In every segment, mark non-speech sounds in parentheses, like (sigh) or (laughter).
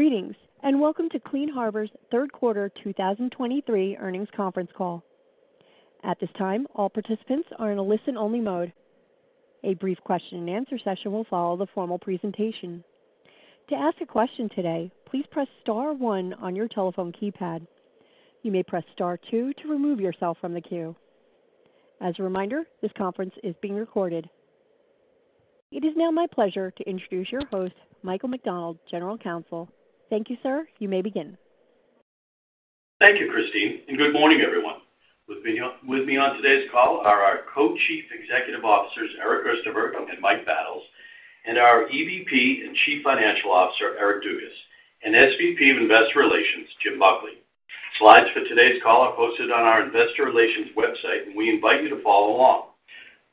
Greetings, and welcome to Clean Harbors' Q3 2023 Earnings Conference Call. At this time, all participants are in a listen-only mode. A brief question-and-answer session will follow the formal presentation. To ask a question today, please press star one on your telephone keypad. You may press star two to remove yourself from the queue. As a reminder, this conference is being recorded. It is now my pleasure to introduce your host, Michael McDonald, General Counsel. Thank you, sir. You may begin. Thank you, Christine, and good morning, everyone. With me on today's call are our Co-Chief Executive Officers, Eric Gerstenberg and Mike Battles, and our EVP and Chief Financial Officer, Eric Dugas, and SVP of Investor Relations, Jim Buckley. Slides for today's call are posted on our investor relations website, and we invite you to follow along.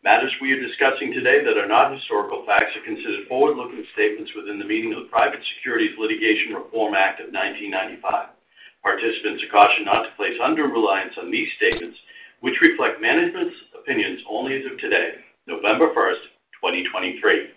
Matters we are discussing today that are not historical facts are considered forward-looking statements within the meaning of the Private Securities Litigation Reform Act of 1995. Participants are cautioned not to place undue reliance on these statements, which reflect management's opinions only as of today, November 1, 2023.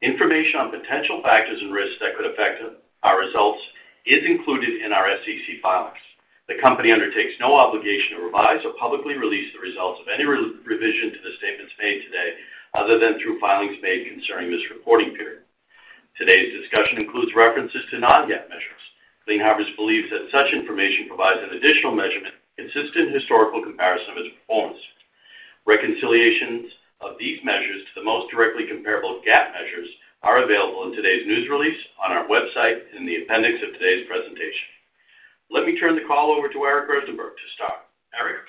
Information on potential factors and risks that could affect our results is included in our SEC filings. The company undertakes no obligation to revise or publicly release the results of any revision to the statements made today other than through filings made concerning this reporting period. Today's discussion includes references to non-GAAP measures. Clean Harbors believes that such information provides an additional measurement, consistent historical comparison of its performance. Reconciliations of these measures to the most directly comparable GAAP measures are available in today's news release on our website in the appendix of today's presentation. Let me turn the call over to Eric Gerstenberg to start. Eric?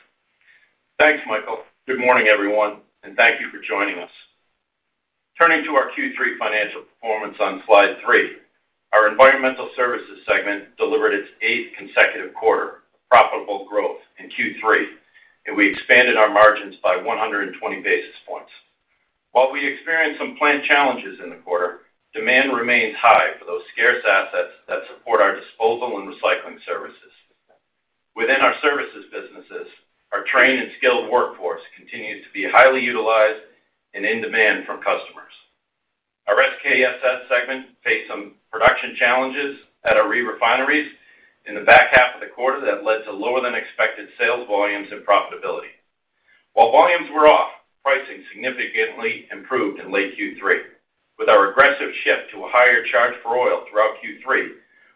Thanks, Michael. Good morning, everyone, and thank you for joining us. Turning to our Q3 financial performance on slide three, our Environmental Services segment delivered its eighth consecutive quarter of profitable growth in Q3, and we expanded our margins by 120 basis points. While we experienced some planned challenges in the quarter, demand remains high for those scarce assets that support our disposal and recycling services. Within our services businesses, our trained and skilled workforce continues to be highly utilized and in demand from customers. Our SKSS segment faced some production challenges at our re-refineries in the back half of the quarter that led to lower-than-expected sales volumes and profitability. While volumes were off, pricing significantly improved in late Q3. With our aggressive shift to a higher charge for oil throughout Q3,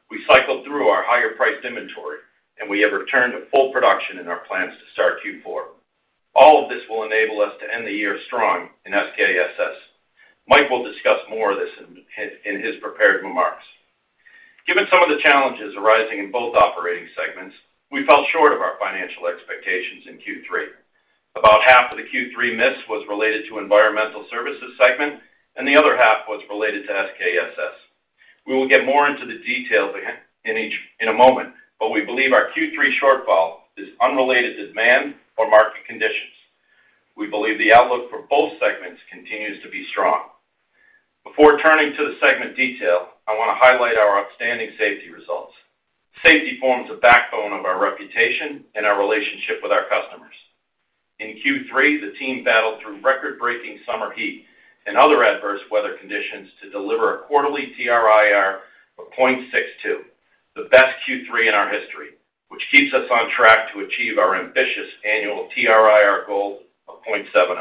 we cycled through our higher-priced inventory, and we have returned to full production in our plants to start Q4. All of this will enable us to end the year strong in SKSS. Mike will discuss more of this in his prepared remarks. Given some of the challenges arising in both operating segments, we fell short of our financial expectations in Q3. About half of the Q3 miss was related to Environmental Services segment, and the other half was related to SKSS. We will get more into the details in each in a moment, but we believe our Q3 shortfall is unrelated to demand or market conditions. We believe the outlook for both segments continues to be strong. Before turning to the segment detail, I want to highlight our outstanding safety results. Safety forms the backbone of our reputation and our relationship with our customers. In Q3, the team battled through record-breaking summer heat and other adverse weather conditions to deliver a quarterly TRIR of 0.62, the best Q3 in our history, which keeps us on track to achieve our ambitious annual TRIR goal of 0.70.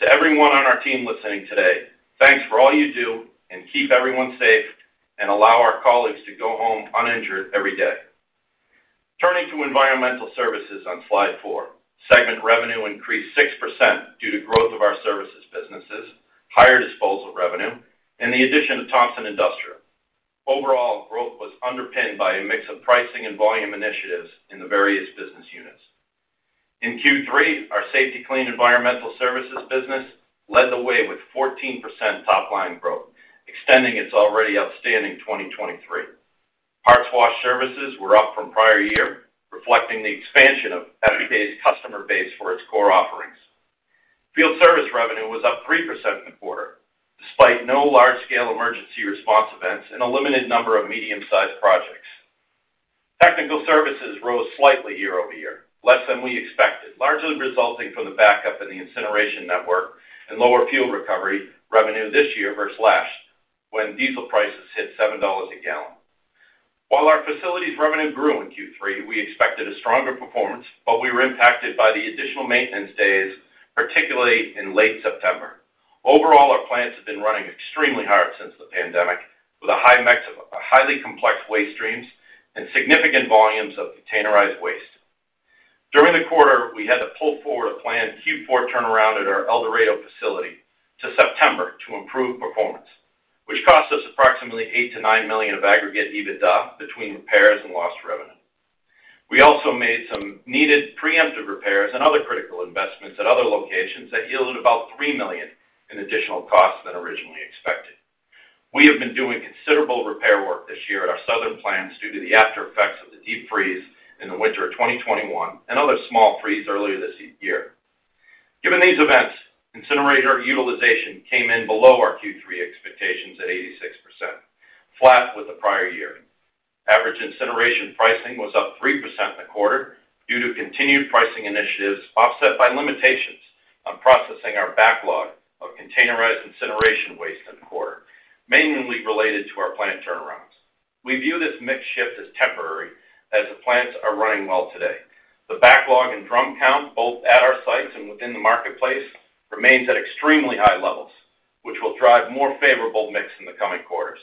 To everyone on our team listening today, thanks for all you do, and keep everyone safe, and allow our colleagues to go home uninjured every day. Turning to Environmental Services on slide four, segment revenue increased 6% due to growth of our services businesses, higher disposal revenue, and the addition of Thompson Industrial. Overall, growth was underpinned by a mix of pricing and volume initiatives in the various business units. In Q3, our Safety-Kleen environmental services business led the way with 14% top-line growth, extending its already outstanding 2023. Parts wash services were up from prior year, reflecting the expansion of FPA's customer base for its core offerings. Field service revenue was up 3% in the quarter, despite no large-scale emergency response events and a limited number of medium-sized projects. Technical services rose slightly year-over-year, less than we expected, largely resulting from the backup in the incineration network and lower fuel recovery revenue this year versus last, when diesel prices hit $7 a gallon. While our facilities revenue grew in Q3, we expected a stronger performance, but we were impacted by the additional maintenance days, particularly in late September. Overall, our plants have been running extremely hard since the pandemic, with a high mix of highly complex waste streams and significant volumes of containerized waste. During the quarter, we had to pull forward a planned Q4 turnaround at our El Dorado facility to September to improve performance, which cost us approximately $8 million to $9 million of aggregate EBITDA between repairs and lost revenue. We also made some needed preemptive repairs and other critical investments at other locations that yielded about $3 million in additional costs than originally expected. We have been doing considerable repair work this year at our southern plants due to the aftereffects of the deep freeze in the winter of 2021 and other small freeze earlier this year. Given these events, incinerator utilization came in below our Q3 expectations at 86%, flat with the prior year. Average incineration pricing was up 3% in the quarter due to continued pricing initiatives, offset by limitations on processing our backlog of containerized incineration waste in the quarter, mainly related to our plant turnarounds. We view this mix shift as temporary, as the plants are running well today. The backlog and drum count, both at our sites and within the marketplace, remains at extremely high levels, which will drive more favorable mix in the coming quarters.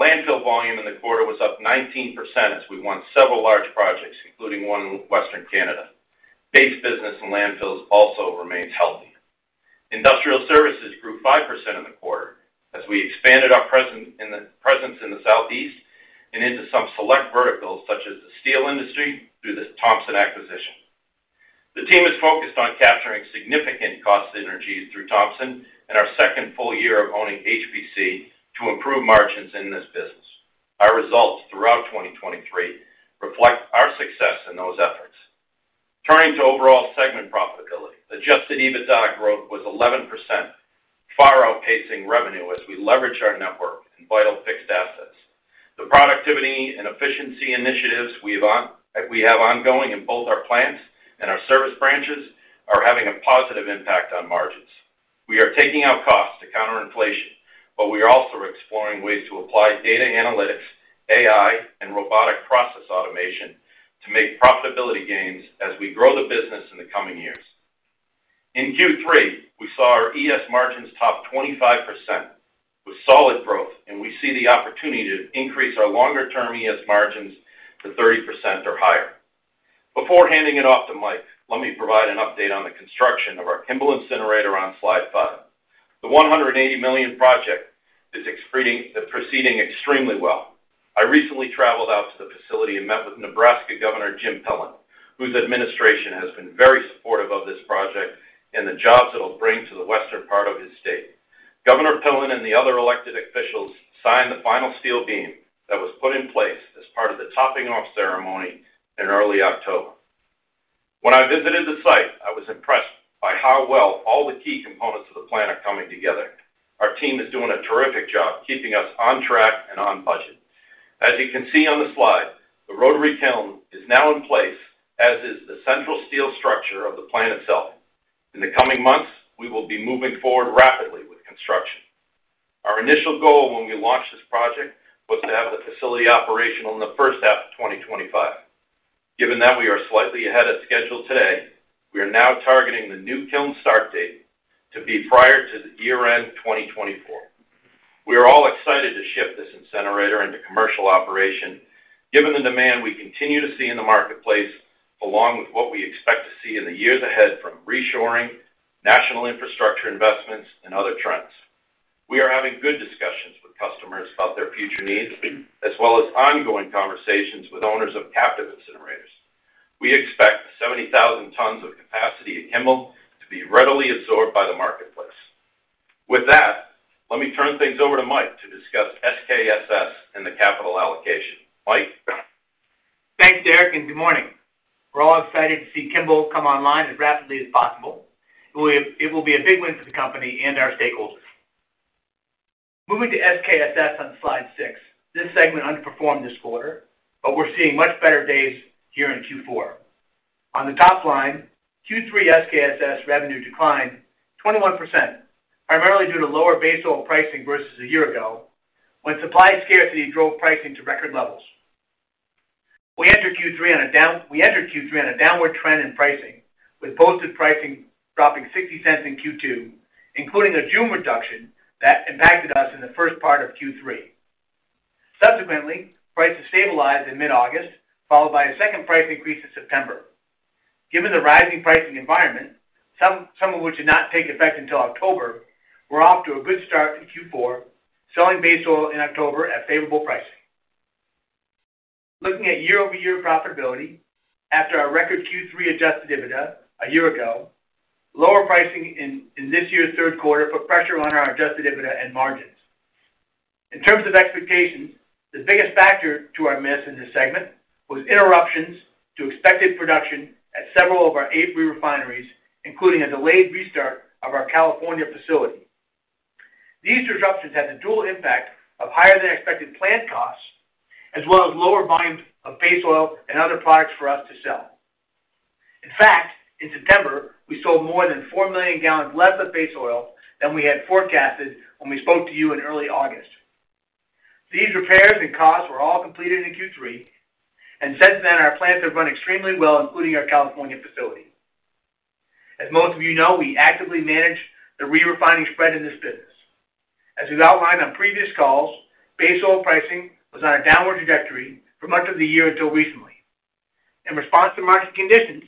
Landfill volume in the quarter was up 19% as we won several large projects, including one in Western Canada. Base business and landfills also remains healthy. Industrial services grew 5% in the quarter as we expanded our presence in the Southeast and into some select verticals, such as the steel industry, through the Thompson acquisition. The team is focused on capturing significant cost synergies through Thompson and our second full year of owning HPC to improve margins in this business. Our results throughout 2023 reflect our success in those efforts. Turning to overall segment profitability, Adjusted EBITDA growth was 11%, far outpacing revenue as we leverage our network and vital fixed assets. The productivity and efficiency initiatives we have ongoing in both our plants and our service branches are having a positive impact on margins. We are taking out costs to counter inflation, but we are also exploring ways to apply data analytics, AI, and robotic process automation to make profitability gains as we grow the business in the coming years. In Q3, we saw our ES margins top 25% with solid growth, and we see the opportunity to increase our longer-term ES margins to 30% or higher. Before handing it off to Mike, let me provide an update on the construction of our Kimball incinerator on slide five. The $180 million project is proceeding extremely well. I recently traveled out to the facility and met with Nebraska Governor Jim Pillen, whose administration has been very supportive of this project and the jobs it'll bring to the western part of his state. Governor Pillen and the other elected officials signed the final steel beam that was put in place as part of the topping off ceremony in early October. When I visited the site, I was impressed by how well all the key components of the plant are coming together. Our team is doing a terrific job keeping us on track and on budget. As you can see on the slide, the rotary kiln is now in place, as is the central steel structure of the plant itself. In the coming months, we will be moving forward rapidly with construction. Our initial goal when we launched this project was to have the facility operational in the first half of 2025. Given that we are slightly ahead of schedule today, we are now targeting the new kiln start date to be prior to the year-end 2024. We are all excited to ship this incinerator into commercial operation, given the demand we continue to see in the marketplace, along with what we expect to see in the years ahead from reshoring, national infrastructure investments, and other trends. We are having good discussions with customers about their future needs, as well as ongoing conversations with owners of captive incinerators. We expect 70,000 tons of capacity at Kimball to be readily absorbed by the marketplace. With that, let me turn things over to Mike to discuss SKSS and the capital allocation. Mike? Thanks, Eric, and good morning. We're all excited to see Kimball come online as rapidly as possible. It will be, it will be a big win for the company and our stakeholders. Moving to SKSS on Slide six, this segment underperformed this quarter, but we're seeing much better days here in Q4. On the top line, Q3 SKSS revenue declined 21%, primarily due to lower base oil pricing versus a year ago, when supply scarcity drove pricing to record levels. We entered Q3 on a downward trend in pricing, with posted pricing dropping $0.60 in Q2, including a June reduction that impacted us in the first part of Q3. Subsequently, prices stabilized in mid-August, followed by a second price increase in September. Given the rising pricing environment, some of which did not take effect until October, we're off to a good start in Q4, selling base oil in October at favorable pricing. Looking at year-over-year profitability, after our record Q3 adjusted EBITDA a year ago, lower pricing in this year's third quarter put pressure on our adjusted EBITDA and margins. In terms of expectations, the biggest factor to our miss in this segment was interruptions to expected production at several of our eight re-refineries, including a delayed restart of our California facility. These disruptions had the dual impact of higher-than-expected plant costs, as well as lower volumes of base oil and other products for us to sell. In fact, in September, we sold more than 4 million gallons less of base oil than we had forecasted when we spoke to you in early August. These repairs and costs were all completed in Q3, and since then, our plants have run extremely well, including our California facility. As most of you know, we actively manage the re-refining spread in this business. As we've outlined on previous calls, base oil pricing was on a downward trajectory for much of the year until recently. In response to market conditions,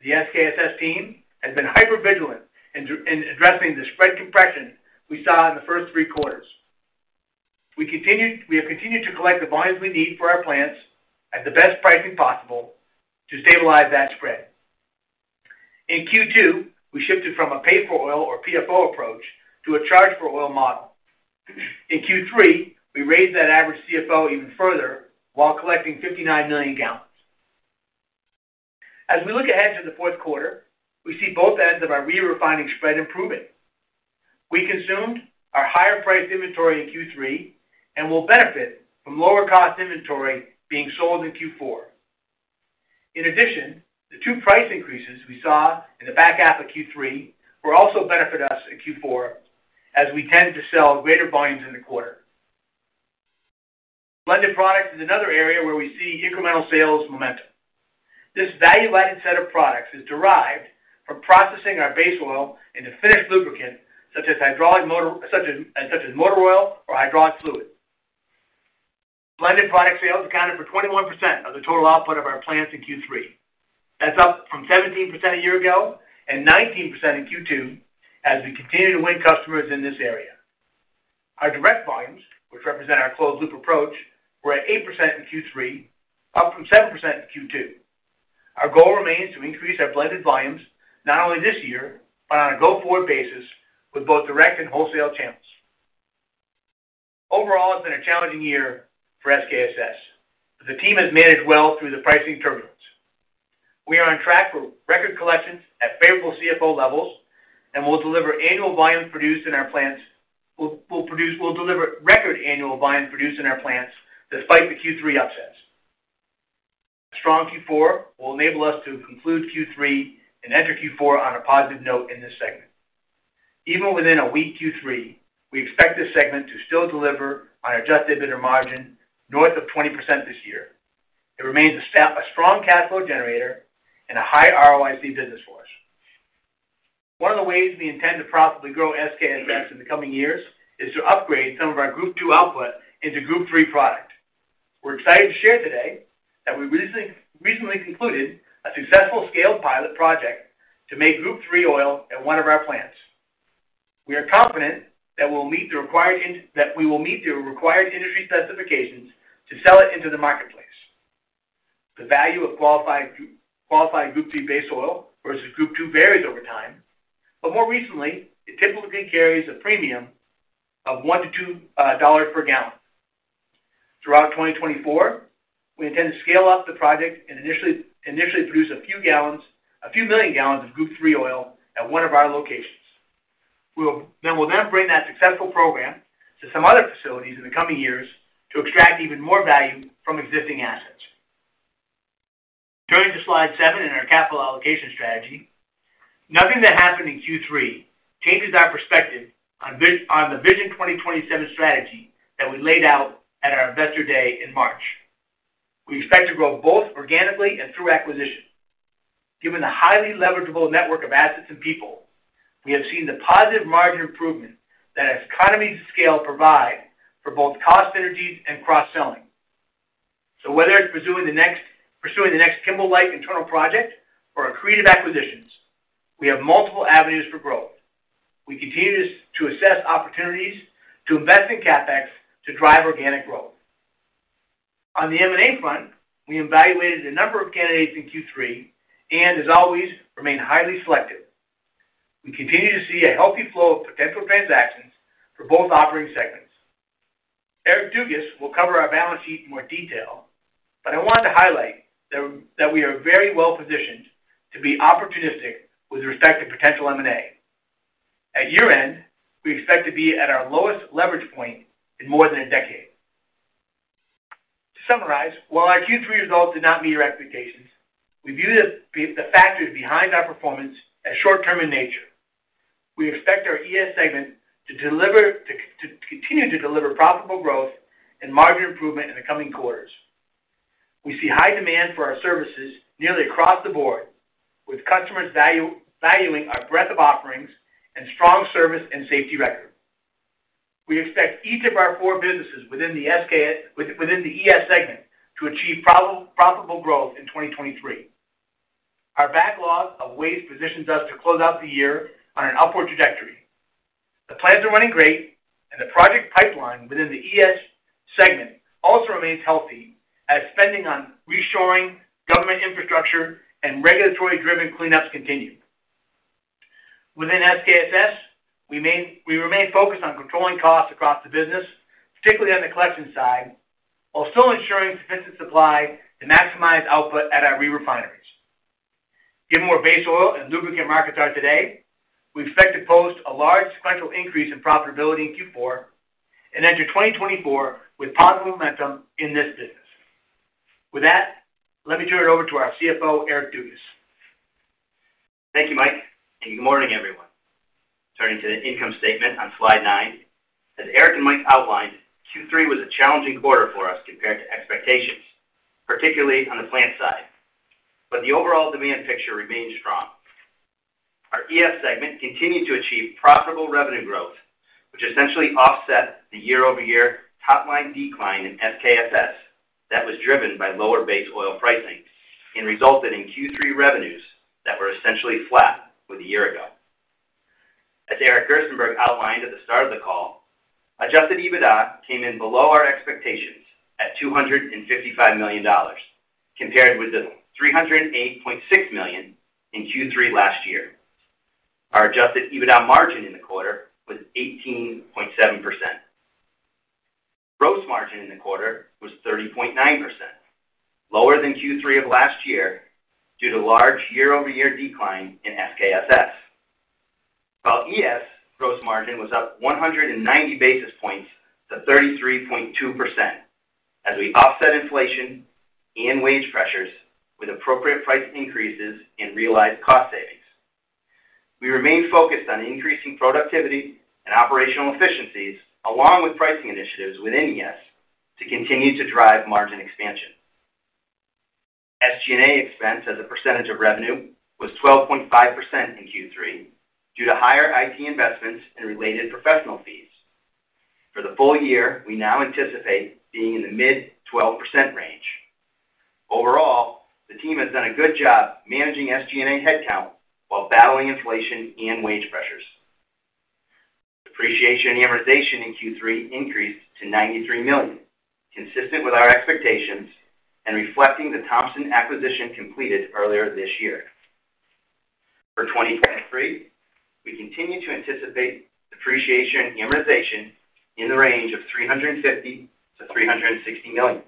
the SKSS team has been hypervigilant in addressing the spread compression we saw in the first three quarters. We have continued to collect the volumes we need for our plants at the best pricing possible to stabilize that spread. In Q2, we shifted from a pay-for-oil or PFO approach to a charge-for-oil model. In Q3, we raised that average CFO even further while collecting 59 million gallons. As we look ahead to the fourth quarter, we see both ends of our re-refining spread improving. We consumed our higher-priced inventory in Q3 and will benefit from lower cost inventory being sold in Q4. In addition, the two price increases we saw in the back half of Q3 will also benefit us in Q4 as we tend to sell greater volumes in the quarter. Blended products is another area where we see incremental sales momentum. This value-added set of products is derived from processing our base oil into finished lubricant, such as motor oil or hydraulic fluid. Blended product sales accounted for 21% of the total output of our plants in Q3. That's up from 17% a year ago and 19% in Q2 as we continue to win customers in this area. Our direct volumes, which represent our closed-loop approach, were at 8% in Q3, up from 7% in Q2. Our goal remains to increase our blended volumes, not only this year, but on a go-forward basis with both direct and wholesale channels. Overall, it's been a challenging year for SKSS, but the team has managed well through the pricing turbulence. We are on track for record collections at favorable CFO levels, and we'll deliver record annual volume produced in our plants despite the Q3 upsets. A strong Q4 will enable us to conclude Q3 and enter Q4 on a positive note in this segment. Even within a weak Q3, we expect this segment to still deliver on adjusted EBITDA margin north of 20% this year. It remains a strong cash flow generator and a high ROIC business for us. One of the ways we intend to profitably grow SKSS in the coming years is to upgrade some of our Group II output into Group III product. We're excited to share today that we recently concluded a successful scale pilot project to make Group III oil at one of our plants. We are confident that we will meet the required industry specifications to sell it into the marketplace. The value of qualified Group III base oil versus Group II varies over time, but more recently, it typically carries a premium of $1 to $2 per gallon. Throughout 2024, we intend to scale up the project and initially produce a few million gallons of Group III oil at one of our locations. We'll then bring that successful program to some other facilities in the coming years to extract even more value from existing assets. Turning to Slide seven in our capital allocation strategy, nothing that happened in Q3 changes our perspective on the Vision 2027 strategy that we laid out at our Investor Day in March. We expect to grow both organically and through acquisition. Given the highly leverageable network of assets and people, we have seen the positive margin improvement that economies of scale provide for both cost synergies and cross-selling. So whether it's pursuing the next Kimball-like internal project or accretive acquisitions, we have multiple avenues for growth. We continue to assess opportunities to invest in CapEx to drive organic growth. On the M&A front, we evaluated a number of candidates in Q3 and, as always, remain highly selective. We continue to see a healthy flow of potential transactions for both operating segments. Eric Dugas will cover our balance sheet in more detail, but I wanted to highlight that we are very well positioned to be opportunistic with respect to potential M&A. At year-end, we expect to be at our lowest leverage point in more than a decade. To summarize, while our Q3 results did not meet your expectations, we view the factors behind our performance as short-term in nature. We expect our ES segment to continue to deliver profitable growth and margin improvement in the coming quarters. We see high demand for our services nearly across the board, with customers valuing our breadth of offerings and strong service and safety record. We expect each of our four businesses within the SKSS within the ES segment to achieve profitable growth in 2023. Our backlog of waste positions us to close out the year on an upward trajectory. The plants are running great, and the project pipeline within the ES segment also remains healthy as spending on reshoring, government infrastructure, and regulatory-driven cleanups continue. Within SKSS, we remain focused on controlling costs across the business, particularly on the collection side, while still ensuring sufficient supply to maximize output at our re-refineries. Given where base oil and lubricant markets are today, we expect to post a large sequential increase in profitability in Q4 and enter 2024 with positive momentum in this business. With that, let me turn it over to our CFO, Eric Dugas. Thank you, Mike, and good morning, everyone. Turning to the income statement on Slide nine. As Eric and Mike outlined, Q3 was a challenging quarter for us compared to expectations, particularly on the plant side. But the overall demand picture remains strong. Our ES segment continued to achieve profitable revenue growth, which essentially offset the year-over-year top-line decline in SKSS that was driven by lower base oil pricing and resulted in Q3 revenues that were essentially flat with a year ago. As Eric Gerstenberg outlined at the start of the call, Adjusted EBITDA came in below our expectations at $255 million, compared with the $308.6 million in Q3 last year. Our Adjusted EBITDA margin in the quarter was 18.7%. Margin in the quarter was 30.9%, lower than Q3 of last year, due to large year-over-year decline in SKSS. While ES gross margin was up 190 basis points to 33.2%, as we offset inflation and wage pressures with appropriate price increases and realized cost savings. We remain focused on increasing productivity and operational efficiencies, along with pricing initiatives within ES, to continue to drive margin expansion. SG&A expense as a percentage of revenue was 12.5% in Q3 due to higher IT investments and related professional fees. For the full year, we now anticipate being in the mid-12% range. Overall, the team has done a good job managing SG&A headcount while battling inflation and wage pressures. Depreciation and amortization in Q3 increased to $93 million, consistent with our expectations and reflecting the Thompson acquisition completed earlier this year. For 2023, we continue to anticipate depreciation and amortization in the range of $350 million to $360 million.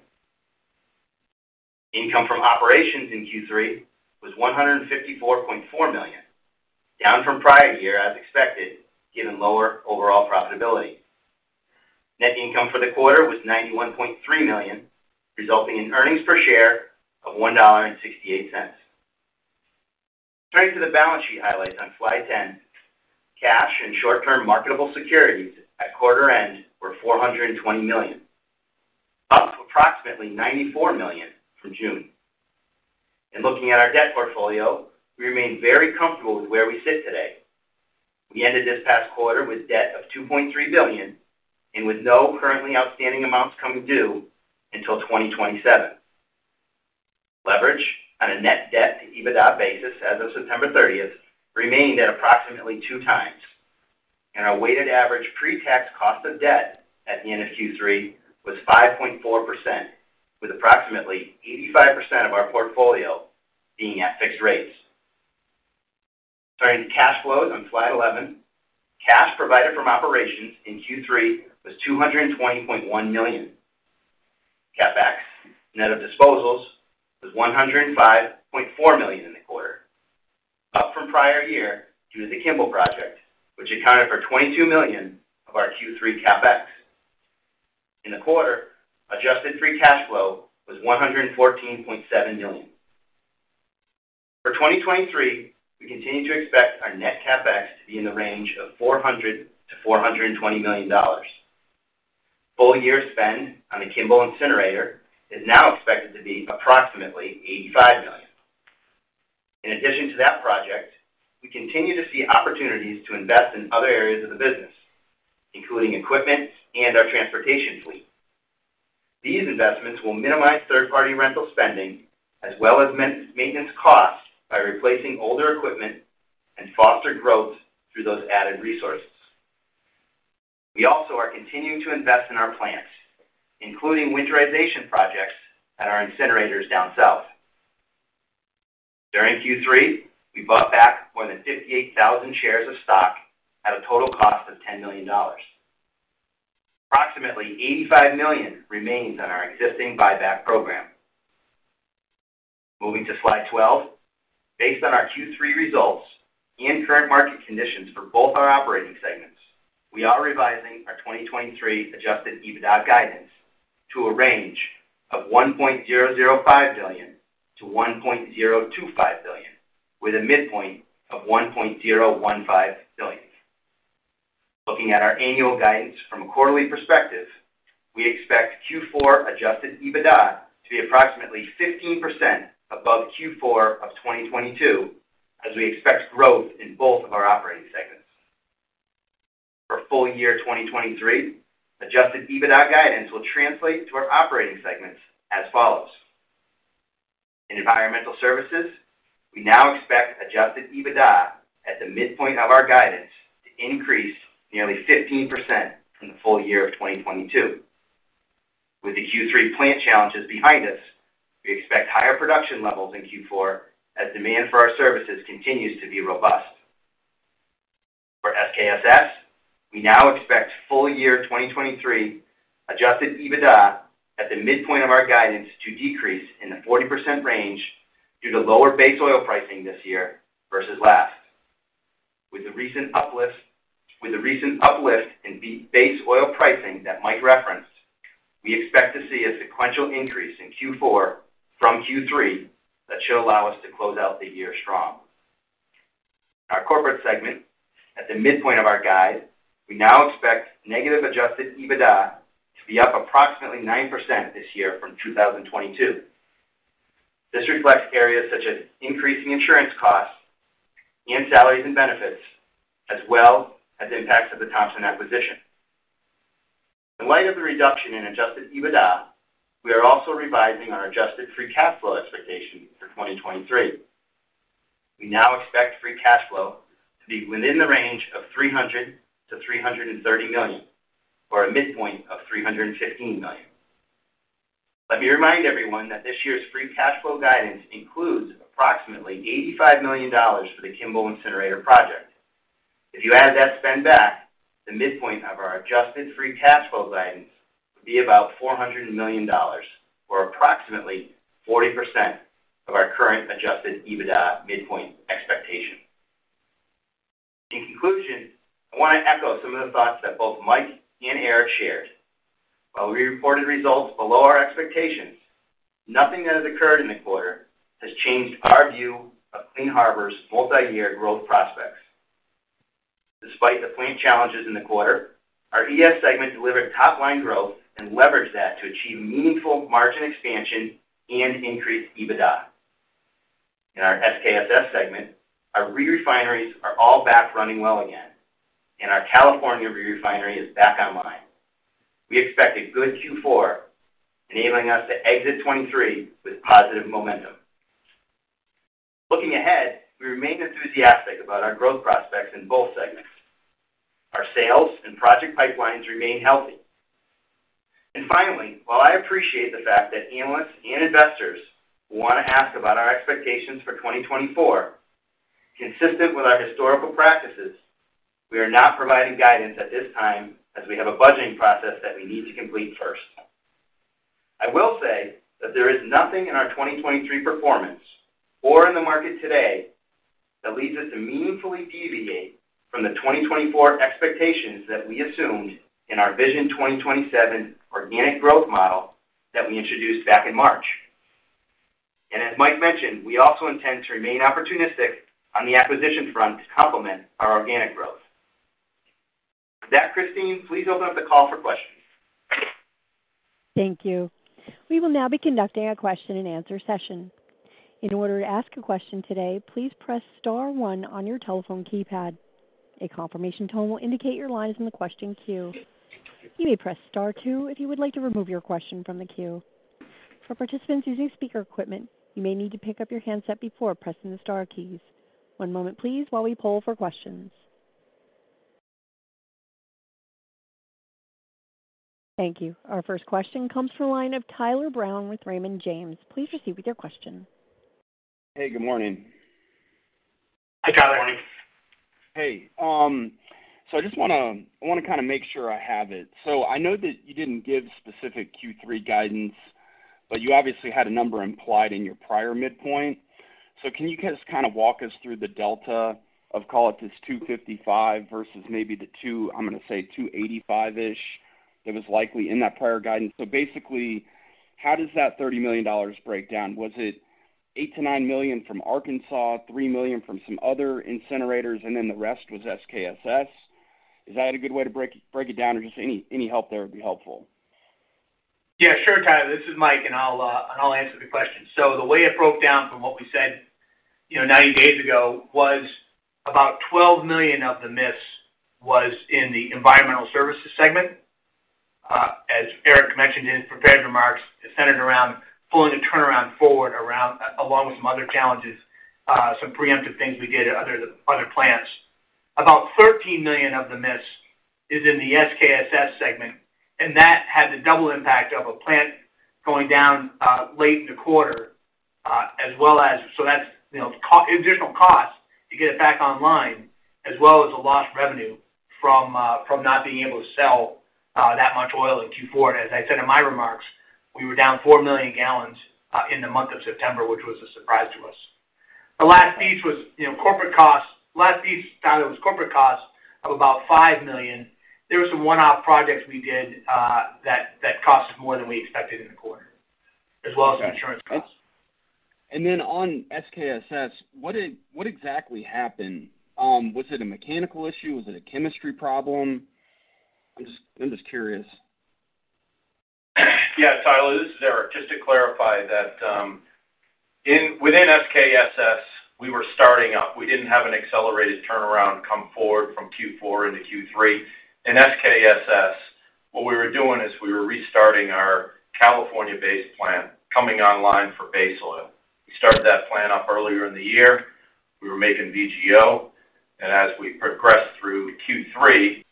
Income from operations in Q3 was $154.4 million, down from prior year, as expected, given lower overall profitability. Net income for the quarter was $91.3 million, resulting in earnings per share of $1.68. Turning to the balance sheet highlights on Slide 10. Cash and short-term marketable securities at quarter end were $420 million, up approximately $94 million from June. In looking at our debt portfolio, we remain very comfortable with where we sit today. We ended this past quarter with debt of $2.3 billion and with no currently outstanding amounts coming due until 2027. Leverage on a net debt to EBITDA basis as of September 30th remained at approximately 2x, and our weighted average pre-tax cost of debt at the end of Q3 was 5.4%, with approximately 85% of our portfolio being at fixed rates. Turning to cash flows on Slide 11. Cash provided from operations in Q3 was $220.1 million. CapEx, net of disposals, was $105.4 million in the quarter, up from prior year due to the Kimball project, which accounted for $22 million of our Q3 CapEx. In the quarter, adjusted free cash flow was $114.7 million. For 2023, we continue to expect our net CapEx to be in the range of $400 million to $420 million. Full year spend on the Kimball incinerator is now expected to be approximately $85 million. In addition to that project, we continue to see opportunities to invest in other areas of the business, including equipment and our transportation fleet. These investments will minimize third-party rental spending as well as maintenance costs by replacing older equipment and foster growth through those added resources. We also are continuing to invest in our plants, including winterization projects at our incinerators down south. During Q3, we bought back more than 58,000 shares of stock at a total cost of $10 million. Approximately $85 million remains on our existing buyback program. Moving to Slide 12. Based on our Q3 results and current market conditions for both our operating segments, we are revising our 2023 adjusted EBITDA guidance to a range of $1.005 billion to $1.025 billion, with a midpoint of $1.015 billion. Looking at our annual guidance from a quarterly perspective, we expect Q4 adjusted EBITDA to be approximately 15% above Q4 of 2022, as we expect growth in both of our operating segments. For full year 2023, adjusted EBITDA guidance will translate to our operating segments as follows: In Environmental Services, we now expect adjusted EBITDA at the midpoint of our guidance to increase nearly 15% from the full year of 2022. With the Q3 plant challenges behind us, we expect higher production levels in Q4 as demand for our services continues to be robust. For SKSS, we now expect full year 2023 adjusted EBITDA at the midpoint of our guidance to decrease in the 40% range due to lower base oil pricing this year versus last. With the recent uplift, with the recent uplift in base oil pricing that Mike referenced, we expect to see a sequential increase in Q4 from Q3 that should allow us to close out the year strong. In our corporate segment, at the midpoint of our guide, we now expect negative adjusted EBITDA to be up approximately 9% this year from 2022. This reflects areas such as increasing insurance costs and salaries and benefits, as well as impacts of the Thompson acquisition. In light of the reduction in adjusted EBITDA, we are also revising our adjusted free cash flow expectation for 2023. We now expect free cash flow to be within the range of $300 million to $330 million, or a midpoint of $315 million. Let me remind everyone that this year's free cash flow guidance includes approximately $85 million for the Kimball incinerator project. If you add that spend back, the midpoint of our adjusted free cash flow guidance would be about $400 million, or approximately 40% of our current Adjusted EBITDA midpoint expectation. In conclusion, I want to echo some of the thoughts that both Mike and Eric shared. While we reported results below our expectations, nothing that has occurred in the quarter has changed our view of Clean Harbors' multi-year growth prospects. Despite the plant challenges in the quarter, our ES segment delivered top-line growth and leveraged that to achieve meaningful margin expansion and increased EBITDA. In our SKSS segment, our re-refineries are all back running well again, and our California re-refinery is back online. We expect a good Q4, enabling us to exit 2023 with positive momentum. Looking ahead, we remain enthusiastic about our growth prospects in both segments. Our sales and project pipelines remain healthy. And finally, while I appreciate the fact that analysts and investors want to ask about our expectations for 2024, consistent with our historical practices, we are not providing guidance at this time as we have a budgeting process that we need to complete first. I will say that there is nothing in our 2023 performance or in the market today that leads us to meaningfully deviate from the 2024 expectations that we assumed in our Vision 2027 organic growth model that we introduced back in March. As Mike mentioned, we also intend to remain opportunistic on the acquisition front to complement our organic growth. With that, Christine, please open up the call for questions. Thank you. We will now be conducting a question-and-answer session. In order to ask a question today, please press star one on your telephone keypad. A confirmation tone will indicate your line is in the question queue. You may press star two if you would like to remove your question from the queue. For participants using speaker equipment, you may need to pick up your handset before pressing the star keys. One moment please while we poll for questions. Thank you. Our first question comes from the line of Tyler Brown with Raymond James. Please proceed with your question. Hey, good morning. Hi, Tyler. Hey, so I just want to kind of make sure I have it. So I know that you didn't give specific Q3 guidance, but you obviously had a number implied in your prior midpoint. So can you just kind of walk us through the delta of, call it, this $255 versus maybe the $285-ish, that was likely in that prior guidance? So basically, how does that $30 million break down? Was it $8 million-$9 million from Arkansas, $3 million from some other incinerators, and then the rest was SKSS? Is that a good way to break it down, or just any help there would be helpful. Yeah, sure, Tyler. This is Mike, and I'll answer the question. So the way it broke down from what we said, you know, 90 days ago, was about $12 million of the miss was in the environmental services segment. As Eric mentioned in his prepared remarks, it centered around pulling the turnaround forward around, along with some other challenges, some preemptive things we did at other plants. About $13 million of the miss is in the SKSS segment, and that had the double impact of a plant going down late in the quarter, as well as... So that's additional costs to get it back online, as well as the lost revenue from not being able to sell that much oil in Q4. As I said in my remarks, we were down 4 million gallons in the month of September, which was a surprise to us. The last piece was, you know, corporate costs. Last piece, Tyler, was corporate costs of about $5 million. There were some one-off projects we did that cost us more than we expected in the quarter, as well as insurance costs. And then on SKSS, what exactly happened? Was it a mechanical issue? Was it a chemistry problem? I'm just, I'm just curious. Yeah, Tyler, this is Eric. Just to clarify that, within SKSS, we were starting up. We didn't have an accelerated turnaround come forward from Q4 into Q3. In SKSS, what we were doing is we were restarting our California-based plant, coming online for base oil. We started that plant up earlier in the year. We were making VGO, and as we progressed through Q3,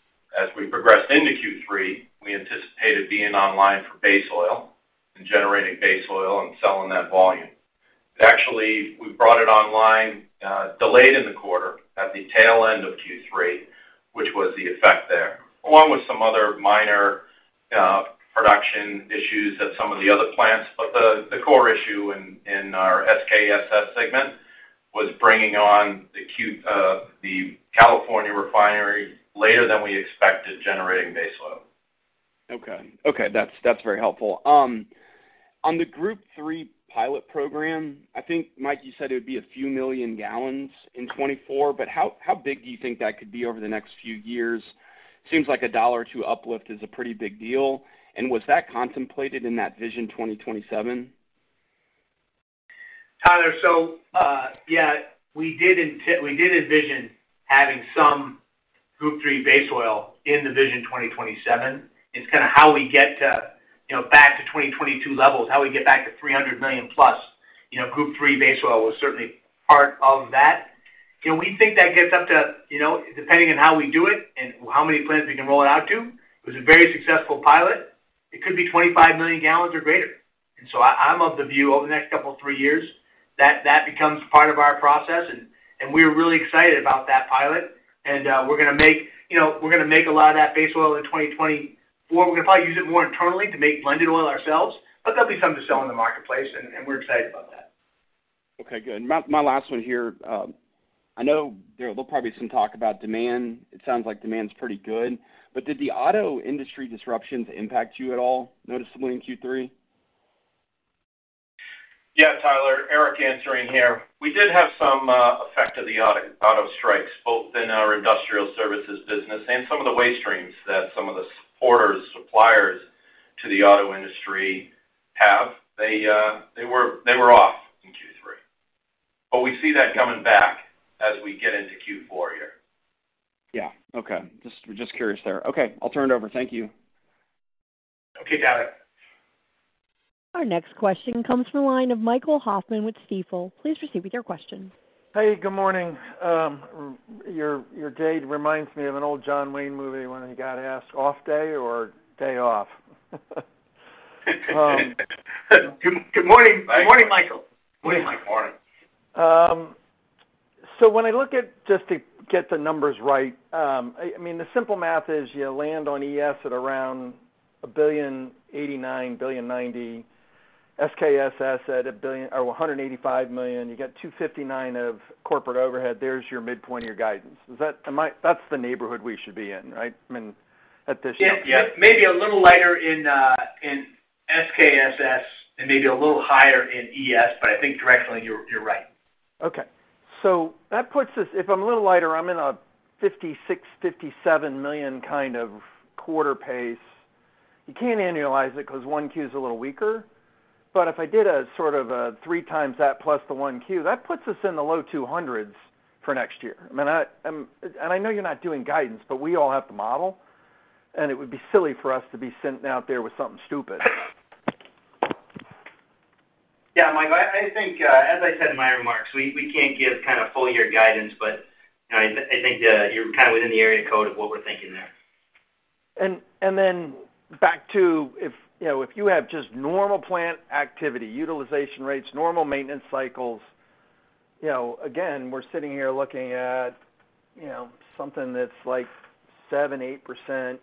as we progressed into Q3, we anticipated being online for base oil and generating base oil and selling that volume. Actually, we brought it online, delayed in the quarter, at the tail end of Q3, which was the effect there, along with some other minor production issues at some of the other plants. But the core issue in our SKSS segment was bringing on the California refinery later than we expected, generating base oil. Okay. Okay, that's, that's very helpful. On the Group Three pilot program, I think, Mike, you said it would be a few million gallons in 2024, but how, how big do you think that could be over the next few years? Seems like a $1 to $2 uplift is a pretty big deal, and was that contemplated in that Vision 2027? Tyler, so, yeah, we did envision having some Group Three base oil in the Vision 2027. It's kind of how we get to, you know, back to 2022 levels, how we get back to $300+ million. You know, Group Three base oil was certainly part of that. We think that gets up to, you know, depending on how we do it and how many plants we can roll it out to. It was a very successful pilot. It could be 25 million gallons or greater. And so I, I'm of the view, over the next couple, three years, that, that becomes part of our process, and, and we're really excited about that pilot. And, we're gonna make, you know, we're gonna make a lot of that base oil in 2020. Well, we're gonna probably use it more internally to make blended oil ourselves, but there'll be some to sell in the marketplace, and, and we're excited about that. Okay, good. My, my last one here, I know there will probably be some talk about demand. It sounds like demand's pretty good, but did the auto industry disruptions impact you at all noticeably in Q3? Yeah, Tyler, Eric answering here. We did have some effect of the auto strikes, both in our industrial services business and some of the waste streams that some of the supporters, suppliers to the auto industry have. They were off in Q3, but we see that coming back as we get into Q4 here. Yeah. Okay. Just curious there. Okay. I'll turn it over. Thank you. Okay, got it. Our next question comes from the line of Michael Hoffman with Stifel. Please proceed with your question. Hey, good morning. Your jade reminds me of an old John Wayne movie, when he got asked, "Off day or day off? Good morning. Good morning, Michael. Good morning, Michael. Just to get the numbers right, I mean, the simple math is, you land on ES at around $1.089 billion to $1.090 billion. SKSS at a billion or $185 million. You got $259 million of corporate overhead. There's your midpoint of your guidance. Is that's the neighborhood we should be in, right? I mean, at this point. Yes. Yes. Maybe a little lighter in, in SKSS, and maybe a little higher in ES, but I think directionally, you're, you're right. Okay. So that puts us. If I'm a little lighter, I'm in a $56 to $57 million kind of quarter pace. You can't annualize it 'cause one Q is a little weaker. But if I did a sort of a three times that plus the 1Q, that puts us in the low $200s million for next year. I mean, and I know you're not doing guidance, but we all have to model, and it would be silly for us to be sitting out there with something stupid. Yeah, Michael, I think, as I said in my remarks, we can't give kind of full year guidance, but, you know, I think you're kind of within the area code of what we're thinking there. And then back to if, you know, if you have just normal plant activity, utilization rates, normal maintenance cycles, you know, again, we're sitting here looking at, you know, something that's like 7% to 8%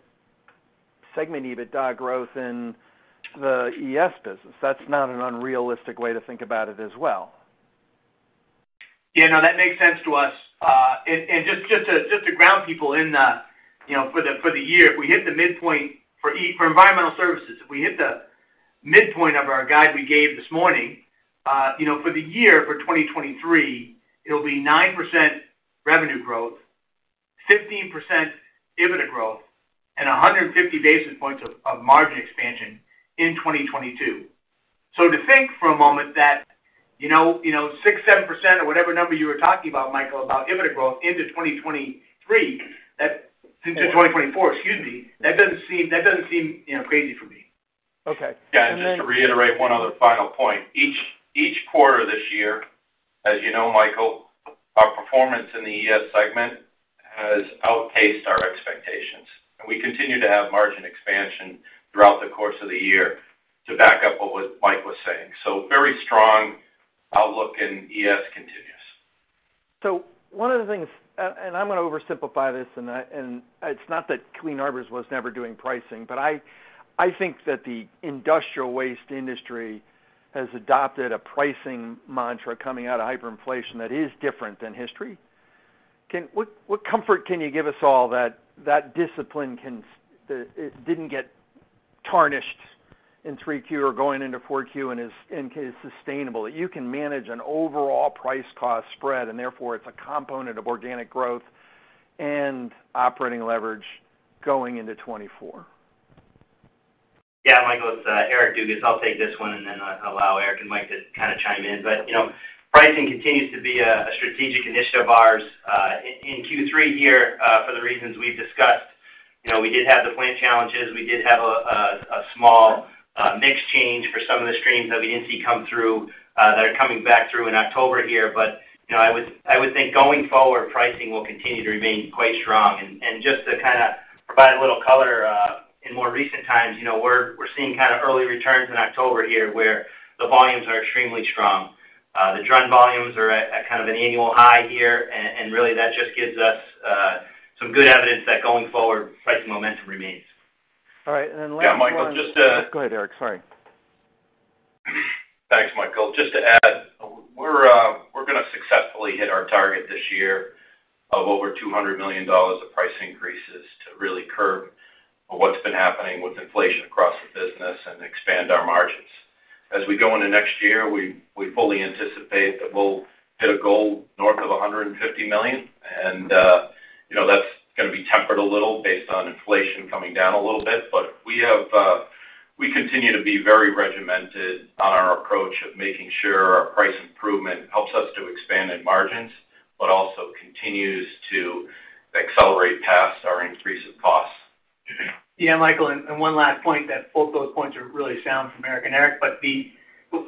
segment EBITDA growth in the ES business. That's not an unrealistic way to think about it as well. Yeah, no, that makes sense to us. And just to ground people in the, you know, for the year, if we hit the midpoint for ES for environmental services, if we hit the midpoint of our guide we gave this morning, you know, for the year, for 2023, it'll be 9% revenue growth, 15% EBITDA growth, and 150 basis points of margin expansion in 2022. So to think for a moment that, you know, 6% to 7% or whatever number you were talking about, Michael, about EBITDA growth into 2023, that into 2024, excuse me, that doesn't seem you know, crazy for me. Okay. Yeah. And just to reiterate one other final point. Each quarter this year, as you know, Michael, our performance in the ES segment has outpaced our expectations, and we continue to have margin expansion throughout the course of the year to back up what was, Mike was saying. So very strong outlook in ES continues. So one of the things, and I'm gonna oversimplify this, and it's not that Clean Harbors was never doing pricing, but I think that the industrial waste industry has adopted a pricing mantra coming out of hyperinflation that is different than history. What comfort can you give us all that that discipline can, that it didn't get tarnished in 3Q or going into 4Q and is sustainable, that you can manage an overall price-cost spread, and therefore, it's a component of organic growth and operating leverage going into 2024? Yeah, Michael, it's Eric Dugas. I'll take this one, and then I'll allow Eric and Mike to chime in. But, you know, pricing continues to be a strategic initiative of ours. In Q3 here, for the reasons we've discussed, you know, we did have the plant challenges. We did have a small mix change for some of the streams that we didn't see come through, that are coming back through in October here. But, you know, I would think, going forward, pricing will continue to remain quite strong. And just to kinda provide a little color, in more recent times, you know, we're seeing early returns in October here, where the volumes are extremely strong. The drum volumes are at kind of an annual high here, and really, that just gives us some good evidence that going forward, pricing momentum remains. All right, and then last one- (crosstalk) Yeah, Michael, just-Go ahead, Eric. Sorry. Thanks, Michael. Just to add, we're, we're gonna successfully hit our target this year of over $200 million of price increases to really curb what's been happening with inflation across the business and expand our margins. As we go into next year, we, we fully anticipate that we'll hit a goal north of $150 million, and, you know, that's gonna be tempered a little based on inflation coming down a little bit. We continue to be very regimented on our approach of making sure our price improvement helps us to expand in margins, but also continues to accelerate past our increase in costs. Yeah, Michael, and one last point, that both those points are really sound from Eric and Eric, but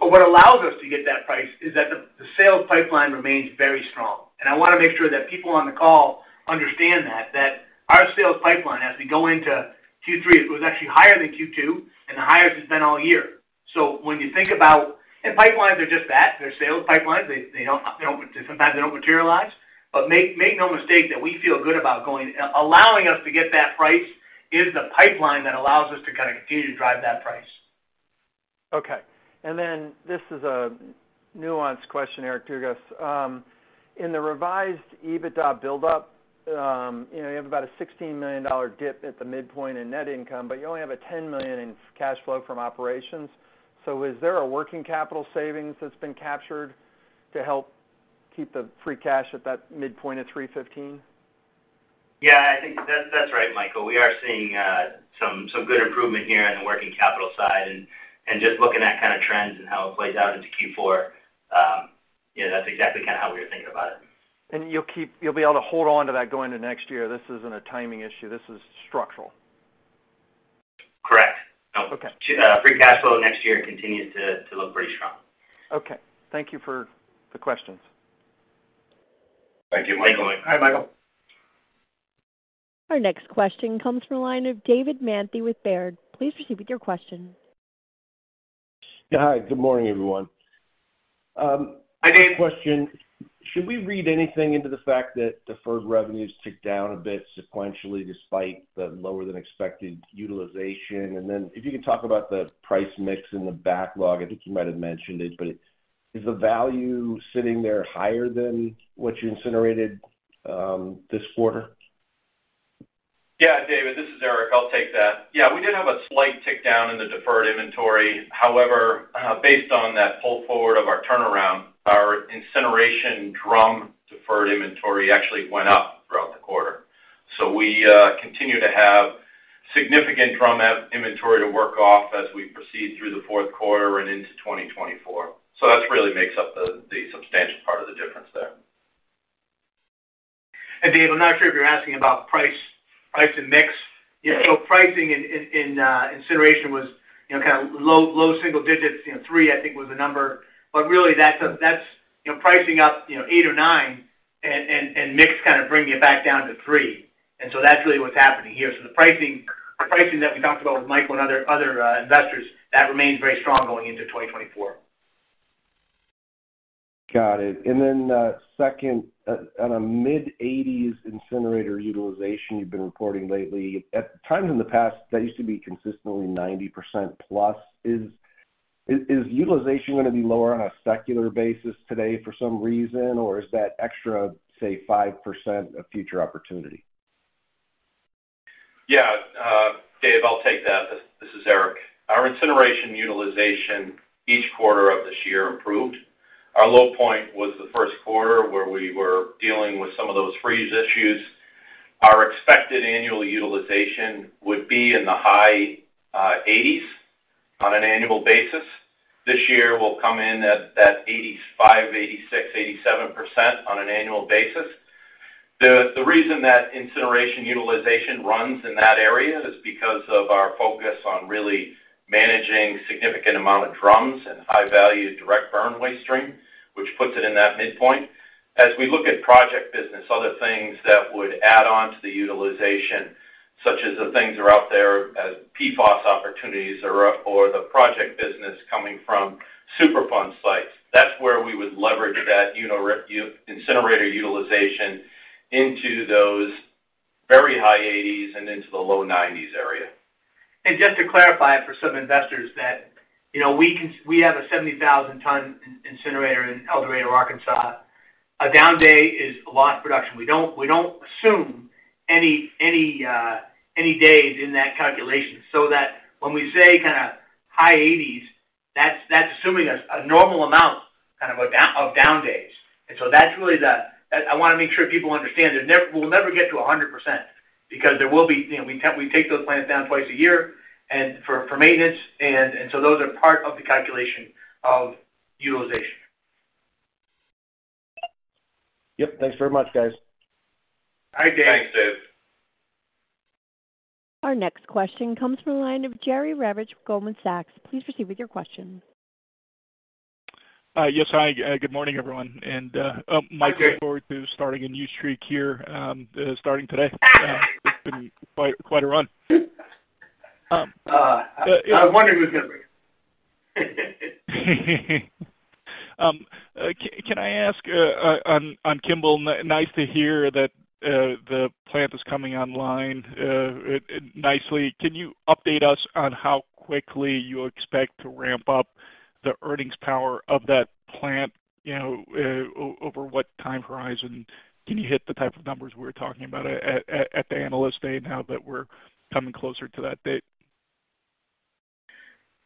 what allows us to get that price is that the sales pipeline remains very strong. I wanna make sure that people on the call understand that our sales pipeline, as we go into Q3, it was actually higher than Q2 and the highest it's been all year. So when you think about pipelines are just that, they're sales pipelines. They don't, sometimes they don't materialize. But make no mistake that we feel good about going, allowing us to get that price is the pipeline that allows us to kind of continue to drive that price. Okay. And then this is a nuanced question, Eric Dugas. In the revised EBITDA buildup, you know, you have about a $16 million dip at the midpoint in net income, but you only have a $10 million in cash flow from operations. So is there a working capital savings that's been captured to help keep the free cash at that midpoint of $315? Yeah, I think that's right, Michael. We are seeing some good improvement here on the working capital side, and just looking at kind of trends and how it plays out into Q4, yeah, that's exactly kind of how we were thinking about it. You'll be able to hold on to that going into next year. This isn't a timing issue. This is structural? Correct. Okay. Free cash flow next year continues to look pretty strong. Okay. Thank you for the questions. Thank you, Michael. Bye, Michael. Our next question comes from the line of David Manthey with Baird. Please proceed with your question. Hi, good morning, everyone. Hi, Dave. Question: Should we read anything into the fact that deferred revenues ticked down a bit sequentially, despite the lower than expected utilization? And then if you could talk about the price mix and the backlog, I think you might have mentioned it, but is the value sitting there higher than what you incinerated this quarter? Yeah, David, this is Eric. I'll take that. Yeah, we did have a slight tick down in the deferred inventory. However, based on that pull forward of our turnaround, our incineration drum deferred inventory actually went up throughout the quarter. So we continue to have significant drum inventory to work off as we proceed through the fourth quarter and into 2024. So that's really makes up the substantial part of the difference there. David, I'm not sure if you're asking about price, price and mix. Yeah. So pricing in incineration was, you know, kind of low single digits. You know, three, I think, was the number, but really, that's, that's, you know, pricing up, you know, eight or nine and mix kind of bringing it back down to three. And so that's really what's happening here. So the pricing, the pricing that we talked about with Michael and other investors, that remains very strong going into 2024. Got it. And then, second, at a mid-80s incinerator utilization you've been reporting lately, at times in the past, that used to be consistently 90% plus. Is utilization gonna be lower on a secular basis today for some reason, or is that extra, say, 5% a future opportunity? Yeah, David, I'll take that. This is Eric. Our incineration utilization each quarter of this year improved. Our low point was the first quarter, where we were dealing with some of those freeze issues. Our expected annual utilization would be in the high 80s on an annual basis. This year will come in at that 85%-87% on an annual basis. The reason that incineration utilization runs in that area is because of our focus on really managing significant amount of drums and high-value direct burn waste stream, which puts it in that midpoint. As we look at project business, other things that would add on to the utilization, such as the things are out there as PFAS opportunities or, or the project business coming from Superfund sites, that's where we would leverage that new incinerator utilization into those very high 80s and into the low 90s area. Just to clarify for some investors that, you know, we can we have a 70,000 ton incinerator in El Dorado, Arkansas. A down day is a lot of production. We don't, we don't assume any, any, any days in that calculation, so that when we say kind of high 80s, that's, that's assuming a, a normal amount, kind of, a down of down days. And so that's really the... I wanna make sure people understand that never we'll never get to 100% because there will be, you know, we take, we take those plants down twice a year and for, for maintenance, and so those are part of the calculation of utilization. Yep. Thanks very much, guys. Hi, Dave. Thanks, Dave. Our next question comes from the line of Jerry Revich with Goldman Sachs. Please proceed with your question. Yes, hi, good morning, everyone. Hi, Jerry. Mike, look forward to starting a new streak here, starting today. It's been quite, quite a run. I was wondering who's gonna be? Can I ask, on Kimball? Nice to hear that, the plant is coming online, nicely. Can you update us on how quickly you expect to ramp up the earnings power of that plant, you know, over what time horizon? Can you hit the type of numbers we were talking about at the Analyst Day, now that we're coming closer to that date?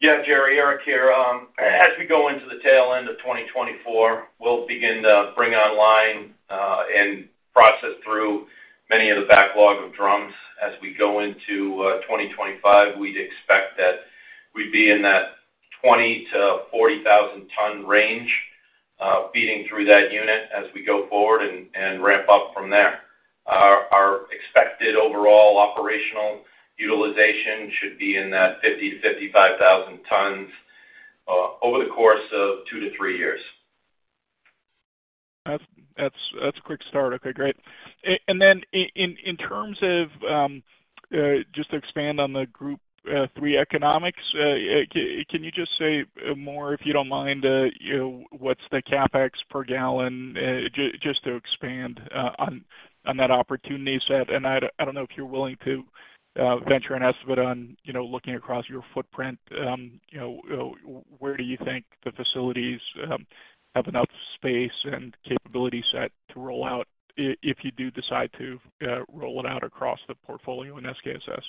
Yeah, Jerry, Eric here. As we go into the tail end of 2024, we'll begin to bring online and process through many of the backlog of drums. As we go into 2025, we'd expect that we'd be in that 20,000 to 40,000 ton range feeding through that unit as we go forward and, and ramp up from there. Our, our expected overall operational utilization should be in that 50,000 to 55,000 tons over the course of two to three years. That's a quick start. Okay, great. And then in terms of just to expand on the Group Three economics, can you just say more, if you don't mind, you know, what's the CapEx per gallon, just to expand on that opportunity set? And I don't know if you're willing to venture an estimate on, you know, looking across your footprint, you know, where do you think the facilities have enough space and capability set to roll out if you do decide to roll it out across the portfolio in SKSS?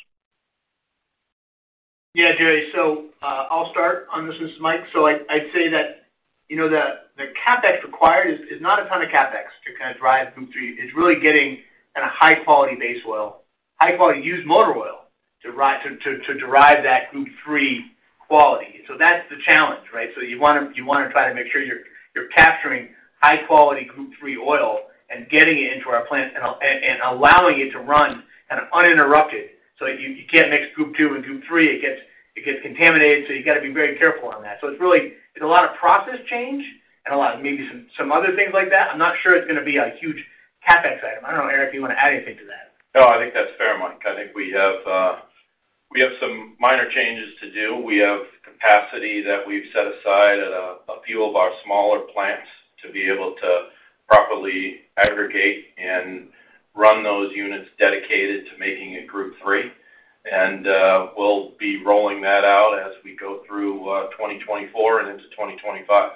Yeah, Jerry. So, I'll start on this. This is Mike. So I'd say that, you know, the CapEx required is not a ton of CapEx to kind of drive Group Three. It's really getting kind of high quality base oil, high quality used motor oil, to derive that Group Three quality. So that's the challenge, right? So you want to try to make sure you're capturing high quality Group Three oil and getting it into our plant and allowing it to run kind of uninterrupted. So you can't mix Group II and Group III. It gets contaminated, so you've got to be very careful on that. It's a lot of process change and a lot of maybe some other things like that. I'm not sure it's going to be a huge CapEx item. I don't know, Eric, if you want to add anything to that. No, I think that's fair, Mike. I think we have we have some minor changes to do. We have capacity that we've set aside at a few of our smaller plants to be able to properly aggregate and run those units dedicated to making it Group Three. And we'll be rolling that out as we go through 2024 and into 2025.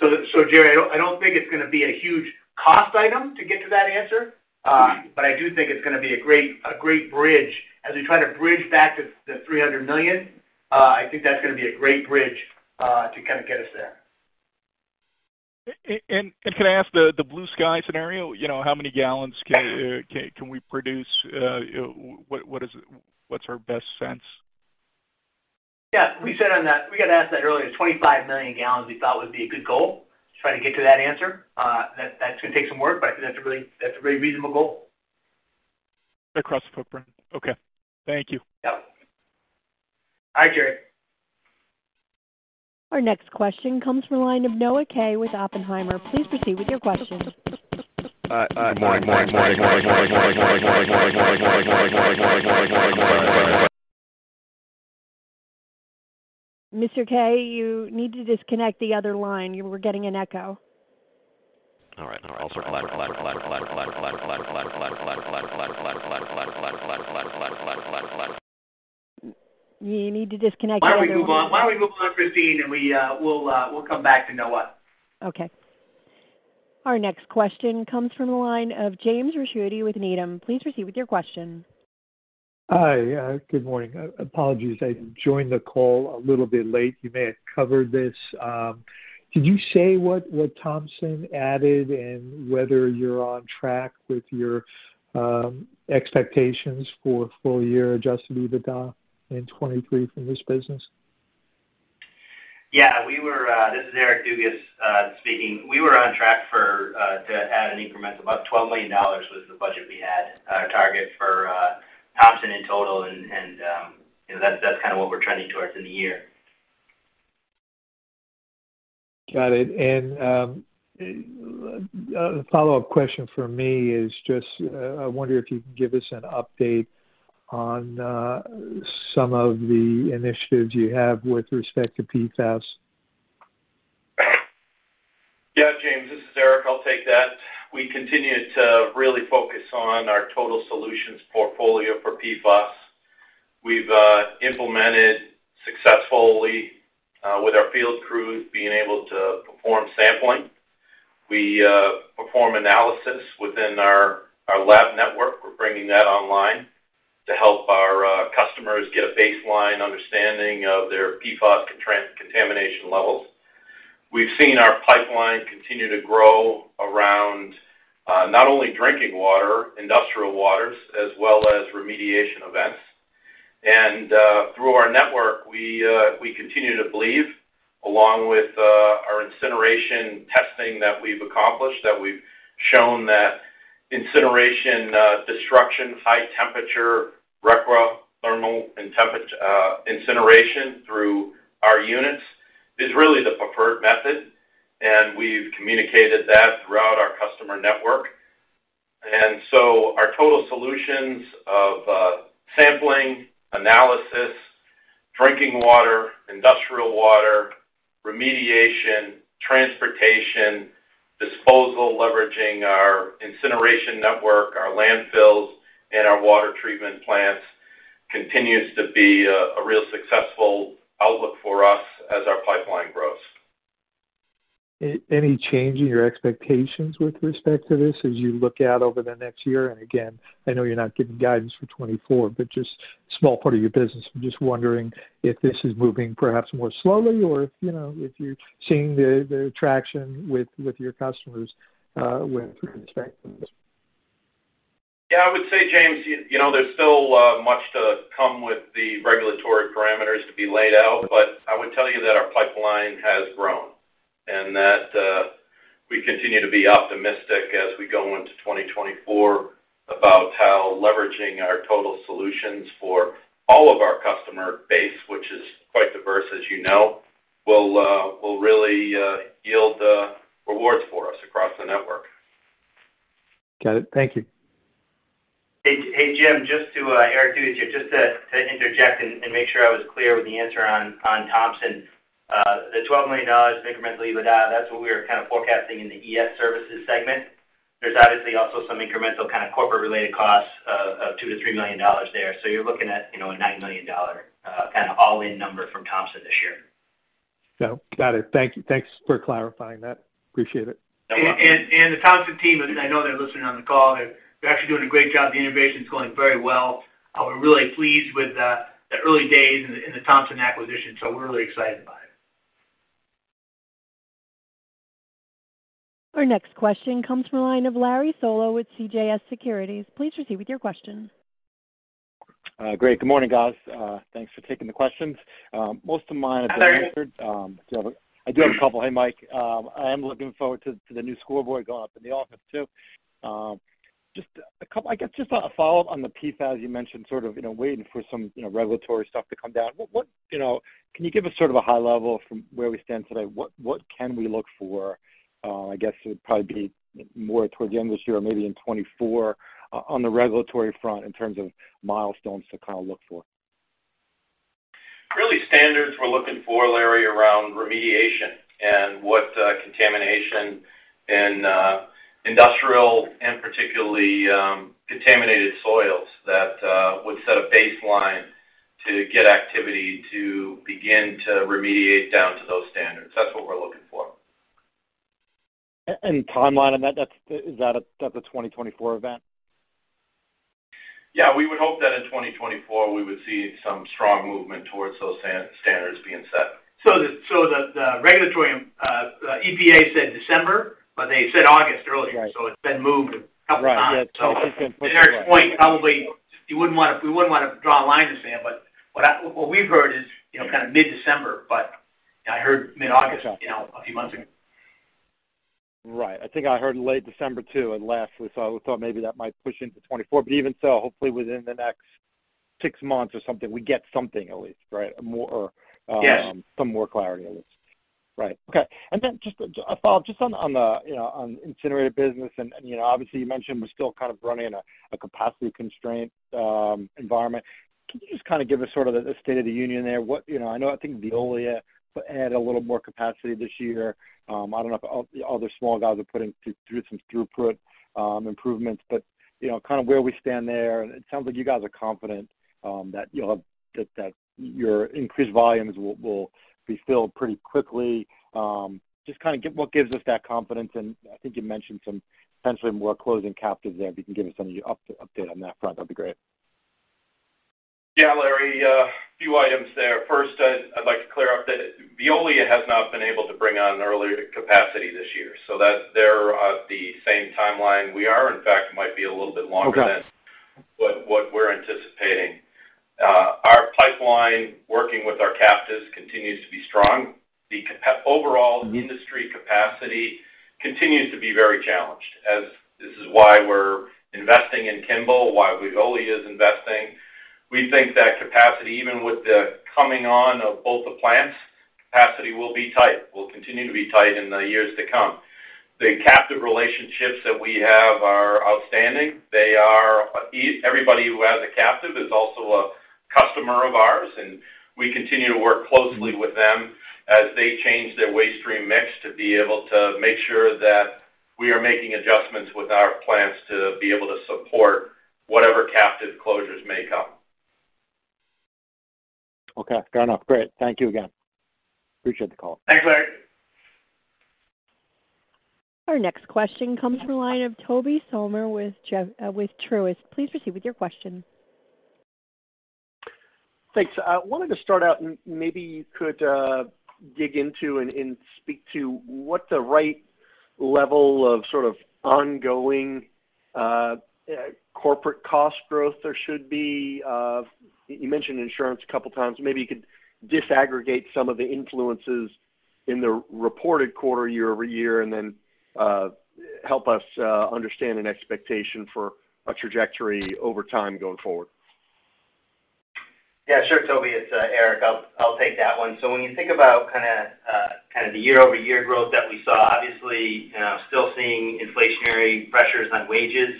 So Jerry, I don't think it's going to be a huge cost item to get to that answer. But I do think it's going to be a great bridge as we try to bridge back to the $300 million. I think that's going to be a great bridge to kind of get us there. Can I ask the blue sky scenario? You know, how many gallons can we produce? What's our best sense? Yeah, we said on that, we got asked that earlier. 25 million gallons we thought would be a good goal to try to get to that answer. That's going to take some work, but I think that's a really, that's a very reasonable goal. Across the footprint. Okay, thank you. Yep. Bye, Jerry. Our next question comes from the line of Noah Kaye with Oppenheimer. Please proceed with your question. Good morning, Mr. Kaye, you need to disconnect the other line. You were getting an echo. All right. I'll circle back. You need to disconnect the other line. Why don't we move on? Why don't we move on, Christine, and we'll come back to Noah. Okay. Our next question comes from the line of James Ricchiuti with Needham. Please proceed with your question. Hi, good morning. Apologies, I joined the call a little bit late. You may have covered this. Could you say what, what Thompson added and whether you're on track with your expectations for full year Adjusted EBITDA in 2023 from this business? Yeah, we were. This is Eric Dugas, speaking. We were on track for to add an increment of about $12 million was the budget we had, our target for Thompson in total. And, and, you know, that's, that's kind of what we're trending towards in the year. Got it. And, the follow-up question from me is just, I wonder if you could give us an update on some of the initiatives you have with respect to PFAS. Yeah, James, this is Eric. I'll take that. We continue to really focus on our total solutions portfolio for PFAS. We've implemented successfully with our field crews being able to perform sampling. We perform analysis within our lab network. We're bringing that online to help our customers get a baseline understanding of their PFAS contamination levels. We've seen our pipeline continue to grow around not only drinking water, industrial waters, as well as remediation events. And through our network, we continue to believe, along with our incineration testing that we've accomplished, that we've shown that incineration destruction, high temperature rotary thermal incineration through our units is really the preferred method, and we've communicated that throughout our customer network. So our total solutions of sampling, analysis, drinking water, industrial water, remediation, transportation, disposal, leveraging our incineration network, our landfills, and our water treatment plants continues to be a real successful outlook for us as our pipeline grows. Any change in your expectations with respect to this as you look out over the next year? And again, I know you're not giving guidance for 2024, but just a small part of your business. I'm just wondering if this is moving perhaps more slowly or if, you know, if you're seeing the traction with your customers with respect to this. Yeah, I would say, James, you know, there's still much to come with the regulatory parameters to be laid out, but I would tell you that our pipeline has grown, and that we continue to be optimistic as we go into 2024 about how leveraging our total solutions for all of our customer base, which is quite diverse, as you know, will really yield rewards for us across the network. Got it. Thank you. Hey, James, just to Eric, too, just to interject and make sure I was clear with the answer on Thompson. The $12 million of incremental EBITDA, that's what we are kind of forecasting in the ES Services segment. There's obviously also some incremental kind of corporate-related costs of $2 million to $3 million there. So you're looking at, you know, a $9 million kind of all-in number from Thompson this year. Got it. Thank you. Thanks for clarifying that. Appreciate it. You're welcome. The Thompson team, and I know they're listening on the call, they're actually doing a great job. The innovation's going very well. We're really pleased with the early days in the Thompson acquisition, so we're really excited about it. Our next question comes from the line of Larry Solow with CJS Securities. Please proceed with your question. Great. Good morning, guys. Thanks for taking the questions. Most of mine have been answered- Hi, Larry. I do have a couple. Hey, Mike, I am looking forward to the new scoreboard going up in the office, too. Just a couple—I guess just a follow-up on the PFAS. You mentioned sort of, you know, waiting for some, you know, regulatory stuff to come down. You know, can you give us sort of a high level from where we stand today? What can we look for? I guess it would probably be more towards the end of this year or maybe in 2024, on the regulatory front, in terms of milestones to kind of look for? Real standards we're looking for, Larry, around remediation and what contamination in industrial and particularly contaminated soils that would set a baseline to get activity to begin to remediate down to those standards. That's what we're looking for. Any timeline on that? That's a 2024 event? Yeah, we would hope that in 2024 we would see some strong movement towards those standards being set. The regulatory EPA said December, but they said August earlier. Right. It's been moved a couple times. Right, yeah. So to Eric's point, probably, you wouldn't want to, we wouldn't want to draw a line in the sand, but what I... What we've heard is, you know, kind of mid-December, but I heard mid-August. Gotcha. You know, a few months ago. Right. I think I heard late December, too, at last. We thought, we thought maybe that might push into 2024, but even so, hopefully within the next six months or something, we get something at least, right? A more, Yes. Some more clarity at least. Right. Okay, and then just a follow-up, just on the you know on the incinerator business, and you know, obviously, you mentioned we're still kind of running in a capacity constraint environment. Can you just kind of give us sort of the state of the union there? I know I think Veolia had a little more capacity this year. I don't know if other small guys are putting through some throughput improvements, but you know, kind of where we stand there, and it sounds like you guys are confident that you'll have that your increased volumes will be filled pretty quickly. Just kind of what gives us that confidence? And I think you mentioned some potentially more closing captives there. If you can give us an update on that front, that'd be great. Yeah, Larry, a few items there. First, I'd like to clear up that Veolia has not been able to bring on an early capacity this year, they're at the same timeline we are. In fact, might be a little bit longer than- Okay... what we're anticipating. Our pipeline, working with our captives, continues to be strong. The overall industry capacity continues to be very challenged, as this is why we're investing in Kimball, why Veolia is investing. We think that capacity, even with the coming on of both the plants, capacity will be tight, will continue to be tight in the years to come. The captive relationships that we have are outstanding. Everybody who has a captive is also a customer of ours, and we continue to work closely with them as they change their waste stream mix, to be able to make sure that we are making adjustments with our plants to be able to support whatever captive closures may come. Okay, fair enough. Great. Thank you again. Appreciate the call. Thanks, Larry. Our next question comes from the line of Tobey Sommer with Truist. Please proceed with your question. Thanks. I wanted to start out, and maybe you could dig into and speak to what the right level of sort of ongoing corporate cost growth there should be. You mentioned insurance a couple times. Maybe you could disaggregate some of the influences in the reported quarter, year-over-year, and then help us understand an expectation for a trajectory over time going forward. Yeah, sure, Tobey, it's Eric. I'll take that one. So when you think about kind of the year-over-year growth that we saw, obviously still seeing inflationary pressures on wages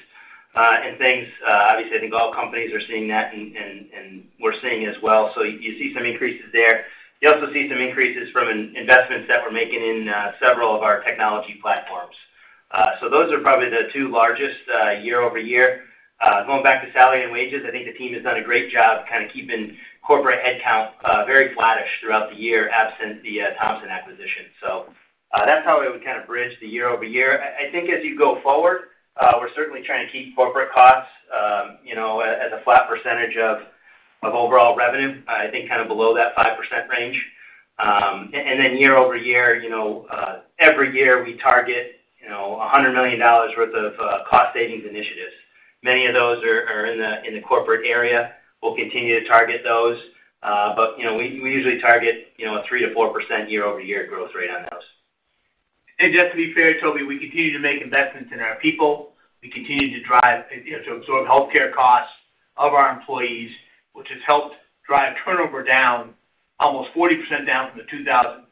and things. Obviously, I think all companies are seeing that, and we're seeing it as well. So you see some increases there. You also see some increases from investments that we're making in several of our technology platforms. So those are probably the two largest year-over-year. Going back to salary and wages, I think the team has done a great job kind of keeping corporate headcount very flattish throughout the year, absent the Thompson acquisition. So that's how we kind of bridge the year-over-year. I think as you go forward, we're certainly trying to keep corporate costs,a flat percentage of overall revenue, I think kind of below that 5% range. And then year-over-year, you know, every year we target, you know, $100 million worth of cost savings initiatives. Many of those are in the corporate area. We'll continue to target those, but, you know, we usually target, you know, a 3% to 4% year-over-year growth rate on those. Just to be fair, Tobey, we continue to make investments in our people. We continue to drive, you know, to absorb healthcare costs of our employees, which has helped drive turnover down, almost 40% down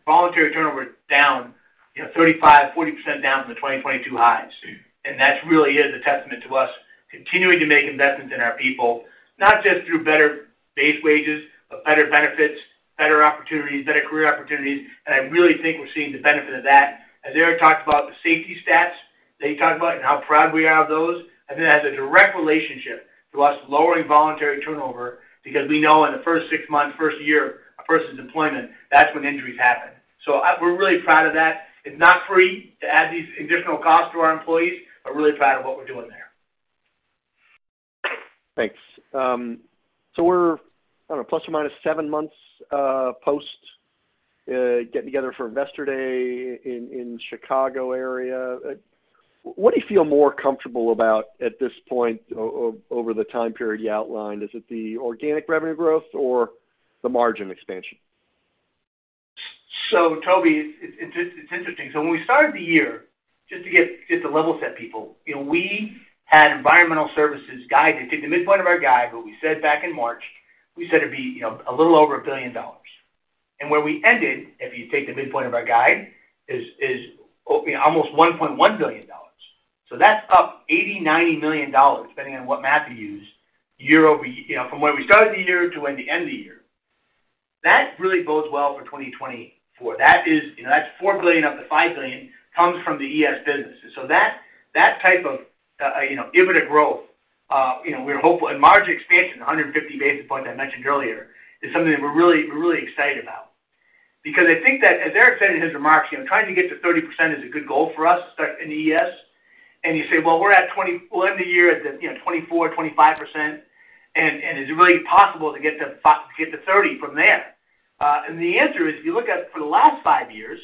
voluntary turnover down, you know, 35% to 40% down from the 2022 highs. And that really is a testament to us continuing to make investments in our people, not just through better base wages, but better benefits, better opportunities, better career opportunities. And I really think we're seeing the benefit of that. As Eric talked about the safety stats, that he talked about and how proud we are of those, I think that has a direct relationship to us lowering voluntary turnover, because we know in the first six months, first year, a person's employment, that's when injuries happen. So we're really proud of that. It's not free to add these additional costs to our employees, but really proud of what we're doing there. Thanks. So we're, I don't know, ±7 months post getting together for Investor Day in the Chicago area. What do you feel more comfortable about at this point over the time period you outlined? Is it the organic revenue growth or the margin expansion? So, Tobey, it's interesting. So when we started the year, just to level set people, you know, we had environmental services guide. If you take the midpoint of our guide, what we said back in March, we said it'd be, you know, a little over $1 billion. And where we ended, if you take the midpoint of our guide, is, you know, almost $1.1 billion. So that's up $80 million to $90 million, depending on what math you use, year-over-year from where we started the year to when we end the year. That really bodes well for 2024. That is, you know, that's $4 billion to $5 billion, comes from the ES business. So that type of, you know, EBITDA growth, you know, we're hopeful. And margin expansion, 150 basis points I mentioned earlier, is something that we're really, we're really excited about. Because I think that, as Eric said in his remarks, you know, trying to get to 30% is a good goal for us, start in ES. And you say: Well, we'll end the year at, you know, 24% to 25%, and, and is it really possible to get to to get to 30% from there? And the answer is, if you look at for the last five years,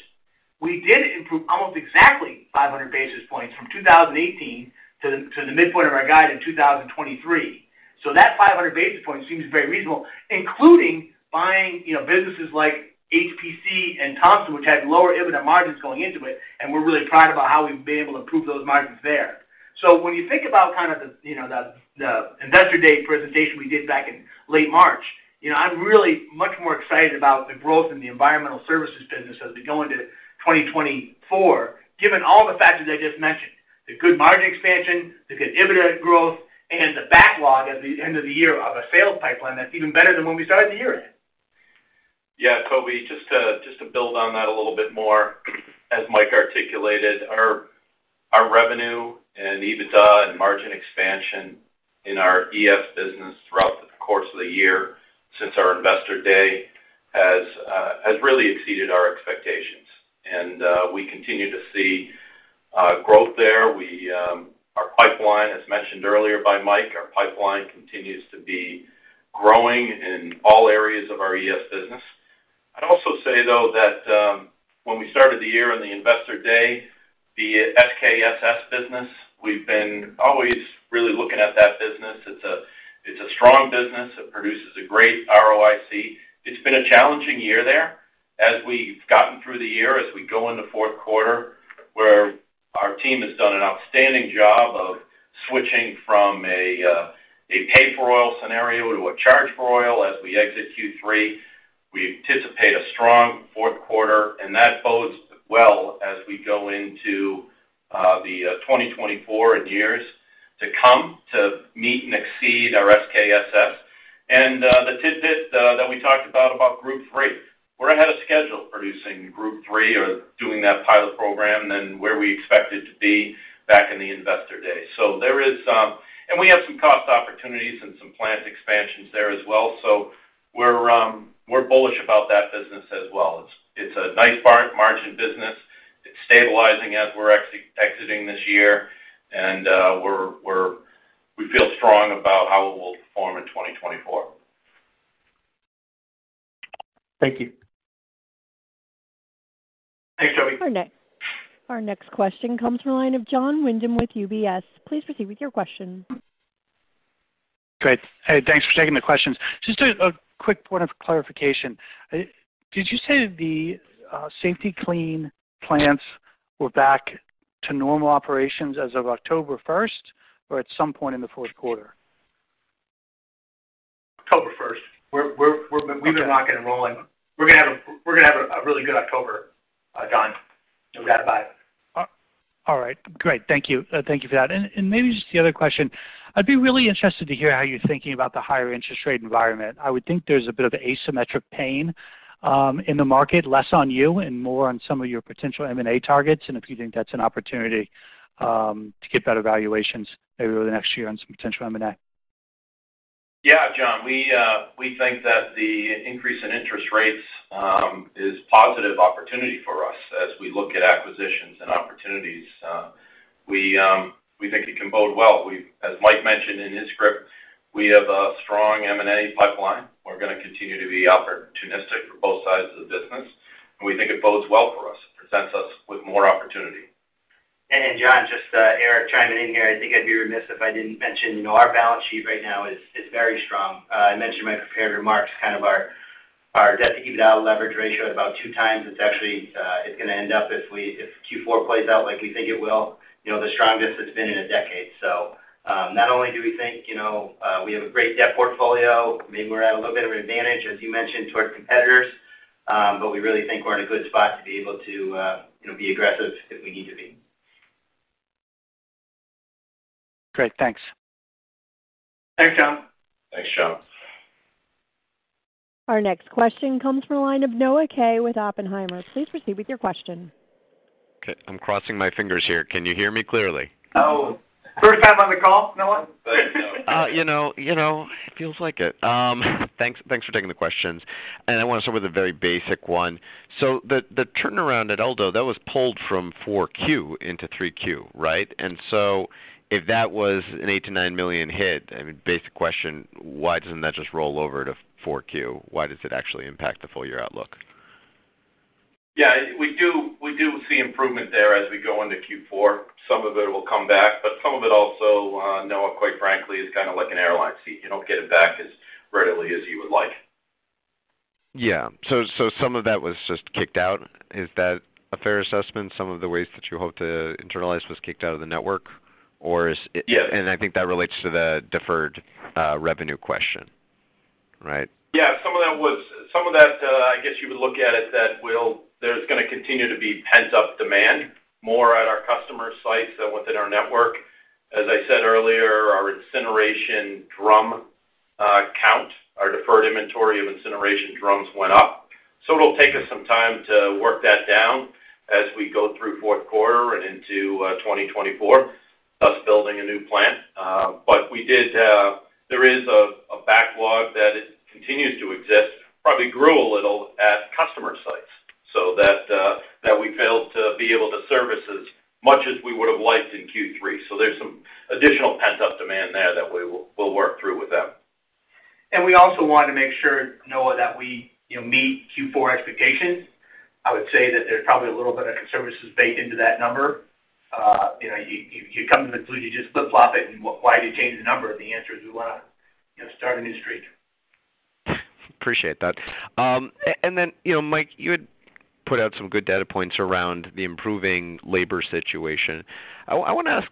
we did improve almost exactly 500 basis points from 2018 to the, to the midpoint of our guide in 2023. So that 500 basis points seems very reasonable, including buying, you know, businesses like HPC and Thompson, which had lower EBITDA margins going into it, and we're really proud about how we've been able to improve those margins there. So when you think about kind of the, you know, the, the Investor Day presentation we did back in late March, you know, I'm really much more excited about the growth in the environmental services business as we go into 2024, given all the factors I just mentioned: the good margin expansion, the good EBITDA growth, and the backlog at the end of the year of a sales pipeline that's even better than when we started the year in. Yeah, Tobey, just to build on that a little bit more, as Mike articulated, our revenue and EBITDA and margin expansion in our ES business throughout the course of the year since our Investor Day has really exceeded our expectations, and we continue to see growth there. Our pipeline, as mentioned earlier by Mike, our pipeline continues to be growing in all areas of our ES business. I'd also say, though, that when we started the year on the Investor Day, the SKSS business, we've been always really looking at that business. It's a strong business. It produces a great ROIC. It's been a challenging year there. As we've gotten through the year, as we go into fourth quarter, where our team has done an outstanding job of switching from a pay-for-oil scenario to a charge-for-oil as we exit Q3, we anticipate a strong fourth quarter, and that bodes well as we go into 2024 and years to come to meet and exceed our SKSS. And, the tidbit that we talked about, about group three, we're ahead of schedule producing group three or doing that pilot program than where we expected to be back in the Investor Day. So there is. And we have some cost opportunities and some plant expansions there as well, so we're, we're bullish about that business as well. It's a nice margin business. It's stabilizing as we're exiting this year, and we feel strong about how it will perform in 2024. Thank you. Thanks, Tobey. Our next question comes from the line of Jon Windham with UBS. Please proceed with your question. Great. Hey, thanks for taking the questions. Just a quick point of clarification. Did you say the Safety-Kleen plants were back to normal operations as of October first or at some point in the fourth quarter? October first. We've been rocking and rolling. We're gonna have a really good October, Jon, no doubt about it. All right. Great. Thank you. Thank you for that. And maybe just the other question: I'd be really interested to hear how you're thinking about the higher interest rate environment. I would think there's a bit of asymmetric pain in the market, less on you and more on some of your potential M&A targets, and if you think that's an opportunity to get better valuations maybe over the next year on some potential M&A. Yeah, Jon, we, we think that the increase in interest rates is positive opportunity for us as we look at acquisitions and opportunities. We, we think it can bode well. We've, as Mike mentioned in his script, we have a strong M&A pipeline. We're gonna continue to be opportunistic for both sides of the business, and we think it bodes well for us. It presents us with more opportunity. Jon, just, Eric chiming in here. I think I'd be remiss if I didn't mention, you know, our balance sheet right now is very strong. I mentioned in my prepared remarks, kind of our debt-to-EBITDA leverage ratio at about 2x. It's actually, it's gonna end up if Q4 plays out like we think it will, you know, the strongest it's been in a decade. So, not only do we think, you know, we have a great debt portfolio, maybe we're at a little bit of an advantage, as you mentioned, to our competitors, but we really think we're in a good spot to be able to, you know, be aggressive if we need to be. Great. Thanks. Thanks, Jon. Thanks, Jon. Our next question comes from the line of Noah Kaye with Oppenheimer. Please proceed with your question. Okay, I'm crossing my fingers here. Can you hear me clearly? Oh, first time on the call, Noah? Thanks, Noah. You know, you know, it feels like it. Thanks, thanks for taking the questions. And I want to start with a very basic one. So the turnaround at El Dorado, that was pulled from 4Q into 3Q, right? And so if that was an $8 million to $9 million hit, I mean, basic question, why doesn't that just roll over to 4Q? Why does it actually impact the full year outlook? Yeah, we do, we do see improvement there as we go into Q4. Some of it will come back, but some of it also, Noah, quite frankly, is kind of like an airline seat. You don't get it back as readily as you would like. Yeah. So, some of that was just kicked out. Is that a fair assessment? Some of the ways that you hope to internalize was kicked out of the network, or is it- Yes. I think that relates to the deferred revenue question, right? Some of that, I guess you would look at it that will. There's gonna continue to be pent-up demand, more at our customer sites than within our network. As I said earlier, our incineration drum count, our deferred inventory of incineration drums went up. So it'll take us some time to work that down as we go through fourth quarter and into 2024, thus building a new plant. But we did, there is a backlog that it continues to exist, probably grew a little at customer sites, so that that we failed to be able to service as much as we would have liked in Q3. So there's some additional pent-up demand there that we'll work through with them. We also want to make sure, Noah, that we, you know, meet Q4 expectations. I would say that there's probably a little bit of conservatism baked into that number. You know, come to the conclusion, you just flip-flop it, and why do you change the number? The answer is, we wanna, you know, start a new streak. Appreciate that. And then, you know, Mike, you had put out some good data points around the improving labor situation. I wanna ask,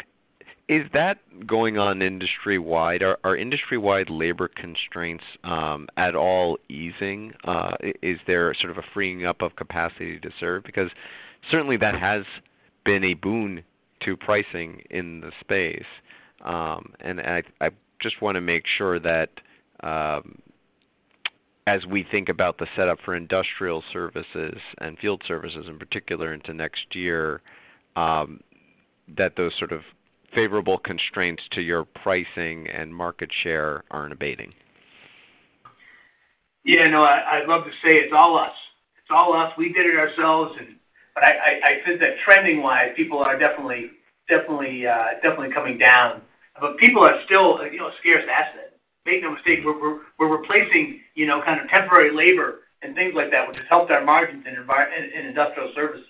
is that going on industry-wide? Are industry-wide labor constraints at all easing? Is there sort of a freeing up of capacity to serve? Because certainly, that has been a boon to pricing in the space. And I just wanna make sure that, as we think about the setup for industrial services and field services, in particular, into next year, that those sort of favorable constraints to your pricing and market share aren't abating. Yeah, Noah, I'd love to say it's all us. It's all us. We did it ourselves, and I think that trending-wise, people are definitely, definitely, definitely coming down. But people are still, you know, a scarce asset. Make no mistake, we're replacing, you know, kind of temporary labor and things like that, which has helped our margins in environmental and industrial services.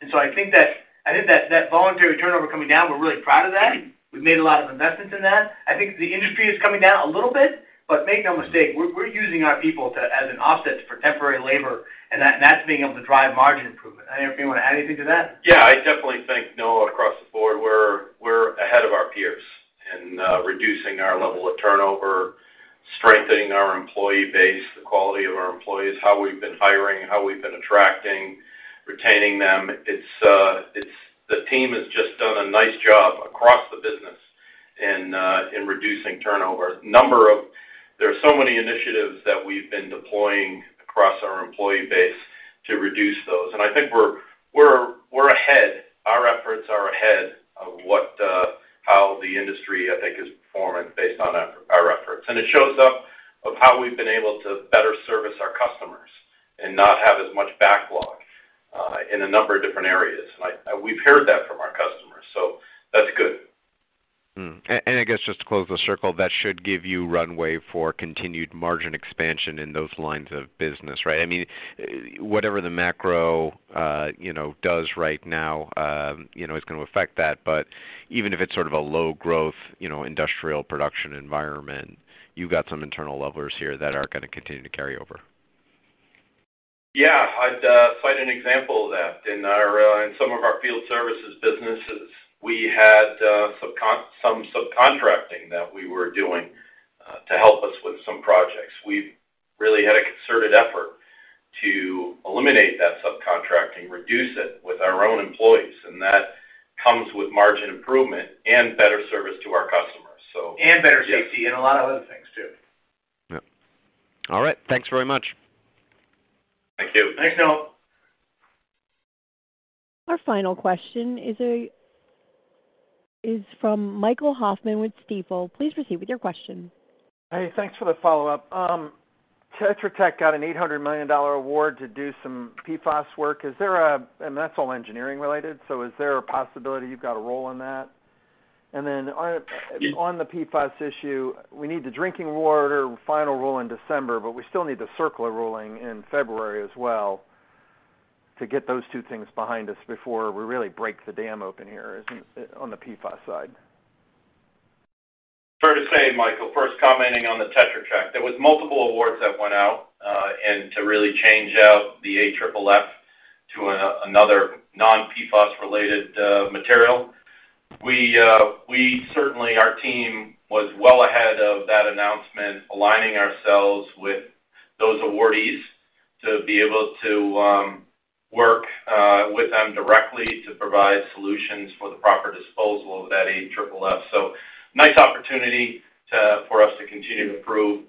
And so I think that voluntary turnover coming down, we're really proud of that. We've made a lot of investments in that. I think the industry is coming down a little bit, but make no mistake, we're using our people as an offset for temporary labor, and that's being able to drive margin improvement. I don't know if you want to add anything to that? Yeah, I definitely think, Noah, across the board, we're ahead of our peers in reducing our level of turnover, strengthening our employee base, the quality of our employees, how we've been hiring, how we've been attracting, retaining them. It's the team has just done a nice job across the business in reducing turnover. There are so many initiatives that we've been deploying across our employee base to reduce those, and I think we're ahead. Our efforts are ahead of what how the industry, I think, is performing based on our efforts. And it shows up of how we've been able to better service our customers and not have as much backlog in a number of different areas. And we've heard that from our customers, so that's good. And I guess just to close the circle, that should give you runway for continued margin expansion in those lines of business, right? I mean, whatever the macro, you know, does right now, you know, is gonna affect that, but even if it's sort of a low growth, you know, industrial production environment, you've got some internal levers here that are gonna continue to carry over. Yeah. I'd cite an example of that. In some of our field services businesses, we had some subcontracting that we were doing to help us with some projects. We've really had a concerted effort to eliminate that subcontracting, reduce it with our own employees, and that comes with margin improvement and better service to our customers. Better safety- Yeah... and a lot of other things, too. Yep. All right. Thanks very much. Thank you. Thanks, Noah. Our final question is from Michael Hoffman with Stifel. Please proceed with your question. Hey, thanks for the follow-up. TETRA Tech got an $800 million award to do some PFAS work. Is there an all engineering related, so is there a possibility you've got a role in that? And then on the PFAS issue, we need the drinking water final rule in December, but we still need the CERCLA ruling in February as well to get those two things behind us before we really break the dam open here, isn't, on the PFAS side. Fair to say, Michael, first commenting on the TETRA Tech, there was multiple awards that went out, and to really change out the AFFF to another non-PFAS related material. We certainly, our team was well ahead of that announcement, aligning ourselves with those awardees to be able to work with them directly to provide solutions for the proper disposal of that AFFF. So nice opportunity to for us to continue to prove,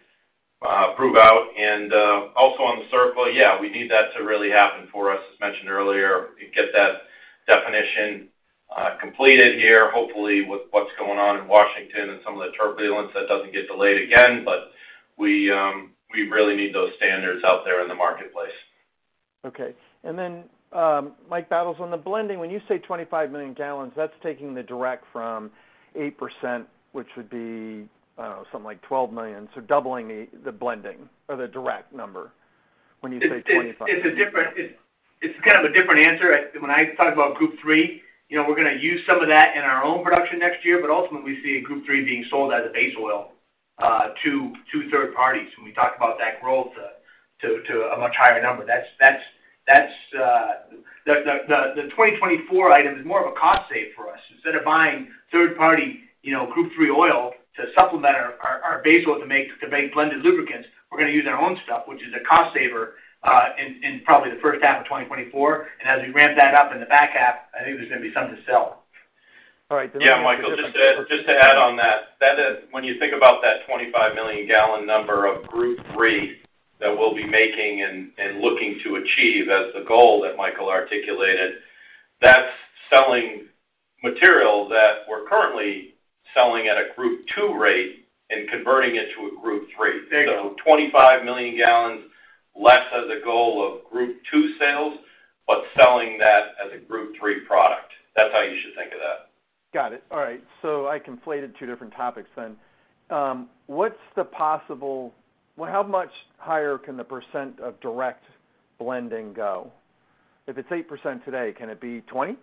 prove out. And also on the CERCLA, yeah, we need that to really happen for us, as mentioned earlier, to get that definition completed here, hopefully, with what's going on in Washington and some of the turbulence, that doesn't get delayed again. But we really need those standards out there in the marketplace. Okay. And then, Mike Battles, on the blending, when you say 25 million gallons, that's taking the direct from 8%, which would be, I don't know, something like 12 million, so doubling the blending or the direct number when you say 25 million. It's a different answer. It's kind of a different answer. When I talk about Group Three, you know, we're gonna use some of that in our own production next year, but ultimately, we see Group Three being sold as a base oil to third parties when we talk about that growth to a much higher number. That's the 2024 item is more of a cost save for us. Instead of buying third-party, you know, Group Three oil to supplement our base oil to make blended lubricants, we're gonna use our own stuff, which is a cost saver in probably the H1 of 2024. And as we ramp that up in the back half, I think there's gonna be some to sell. All right. Yeah, Michael, just to add, just to add on that, that is, when you think about that 25 million gallon number of Group Three that we'll be making and, and looking to achieve as the goal that Michael articulated, that's selling material that we're currently selling at a Group II rate and converting it to a Group Three. There you go. So 25 million gallons less as a goal of Group II sales, but selling that as a Group Three product. That's how you should think of that. Got it. All right, so I conflated two different topics then. What's the possible... Well, how much higher can the percent of direct blending go? If it's 8% today, can it be 20%?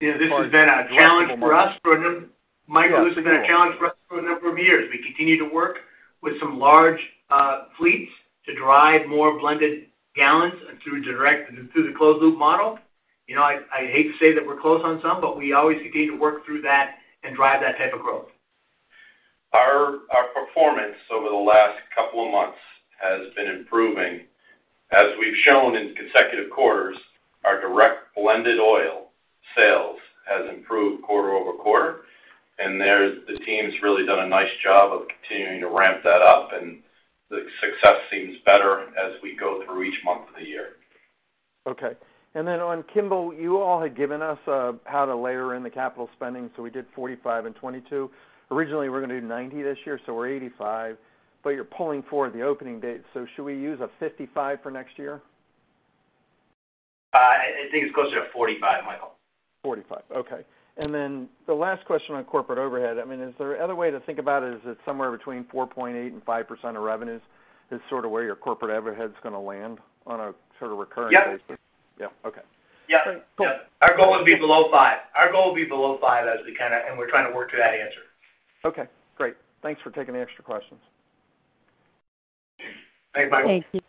Yeah, this has been a challenge for us for a num- Yeah, sure. Michael, this has been a challenge for us for a number of years. We continue to work with some large fleets to drive more blended gallons through direct, through the closed loop model. You know, I hate to say that we're close on some, but we always continue to work through that and drive that type of growth. Our performance over the last couple of months has been improving. As we've shown in consecutive quarters, our direct blended oil sales has improved quarter over quarter, and there, the team's really done a nice job of continuing to ramp that up, and the success seems better as we go through each month of the year. Okay. And then on Kimball, you all had given us how to layer in the capital spending, so we did $45 and $22. Originally, we're gonna do $90 this year, so we're $85, but you're pulling forward the opening date, so should we use a $55 for next year? I think it's closer to $45, Michael. $45, okay. And then the last question on corporate overhead, I mean, is there other way to think about it, is it somewhere between 4.8% and 5% of revenues is sort of where your corporate overhead is gonna land on a sort of recurring basis? Yep. Yeah. Okay. Yep. Cool. Our goal would be below five. Our goal would be below five as we kind of and we're trying to work to that answer. Okay, great. Thanks for taking the extra questions. Thanks, Michael. Thank you.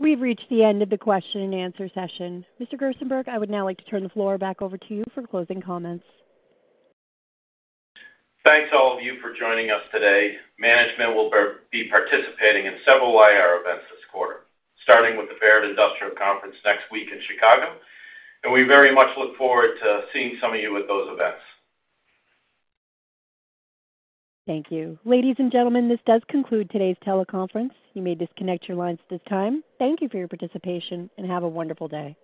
We've reached the end of the question and answer session. Mr. Gerstenberg, I would now like to turn the floor back over to you for closing comments. Thanks, all of you, for joining us today. Management will be participating in several IR events this quarter, starting with the Baird Industrial Conference next week in Chicago, and we very much look forward to seeing some of you at those events. Thank you. Ladies and gentlemen, this does conclude today's teleconference. You may disconnect your lines at this time. Thank you for your participation, and have a wonderful day.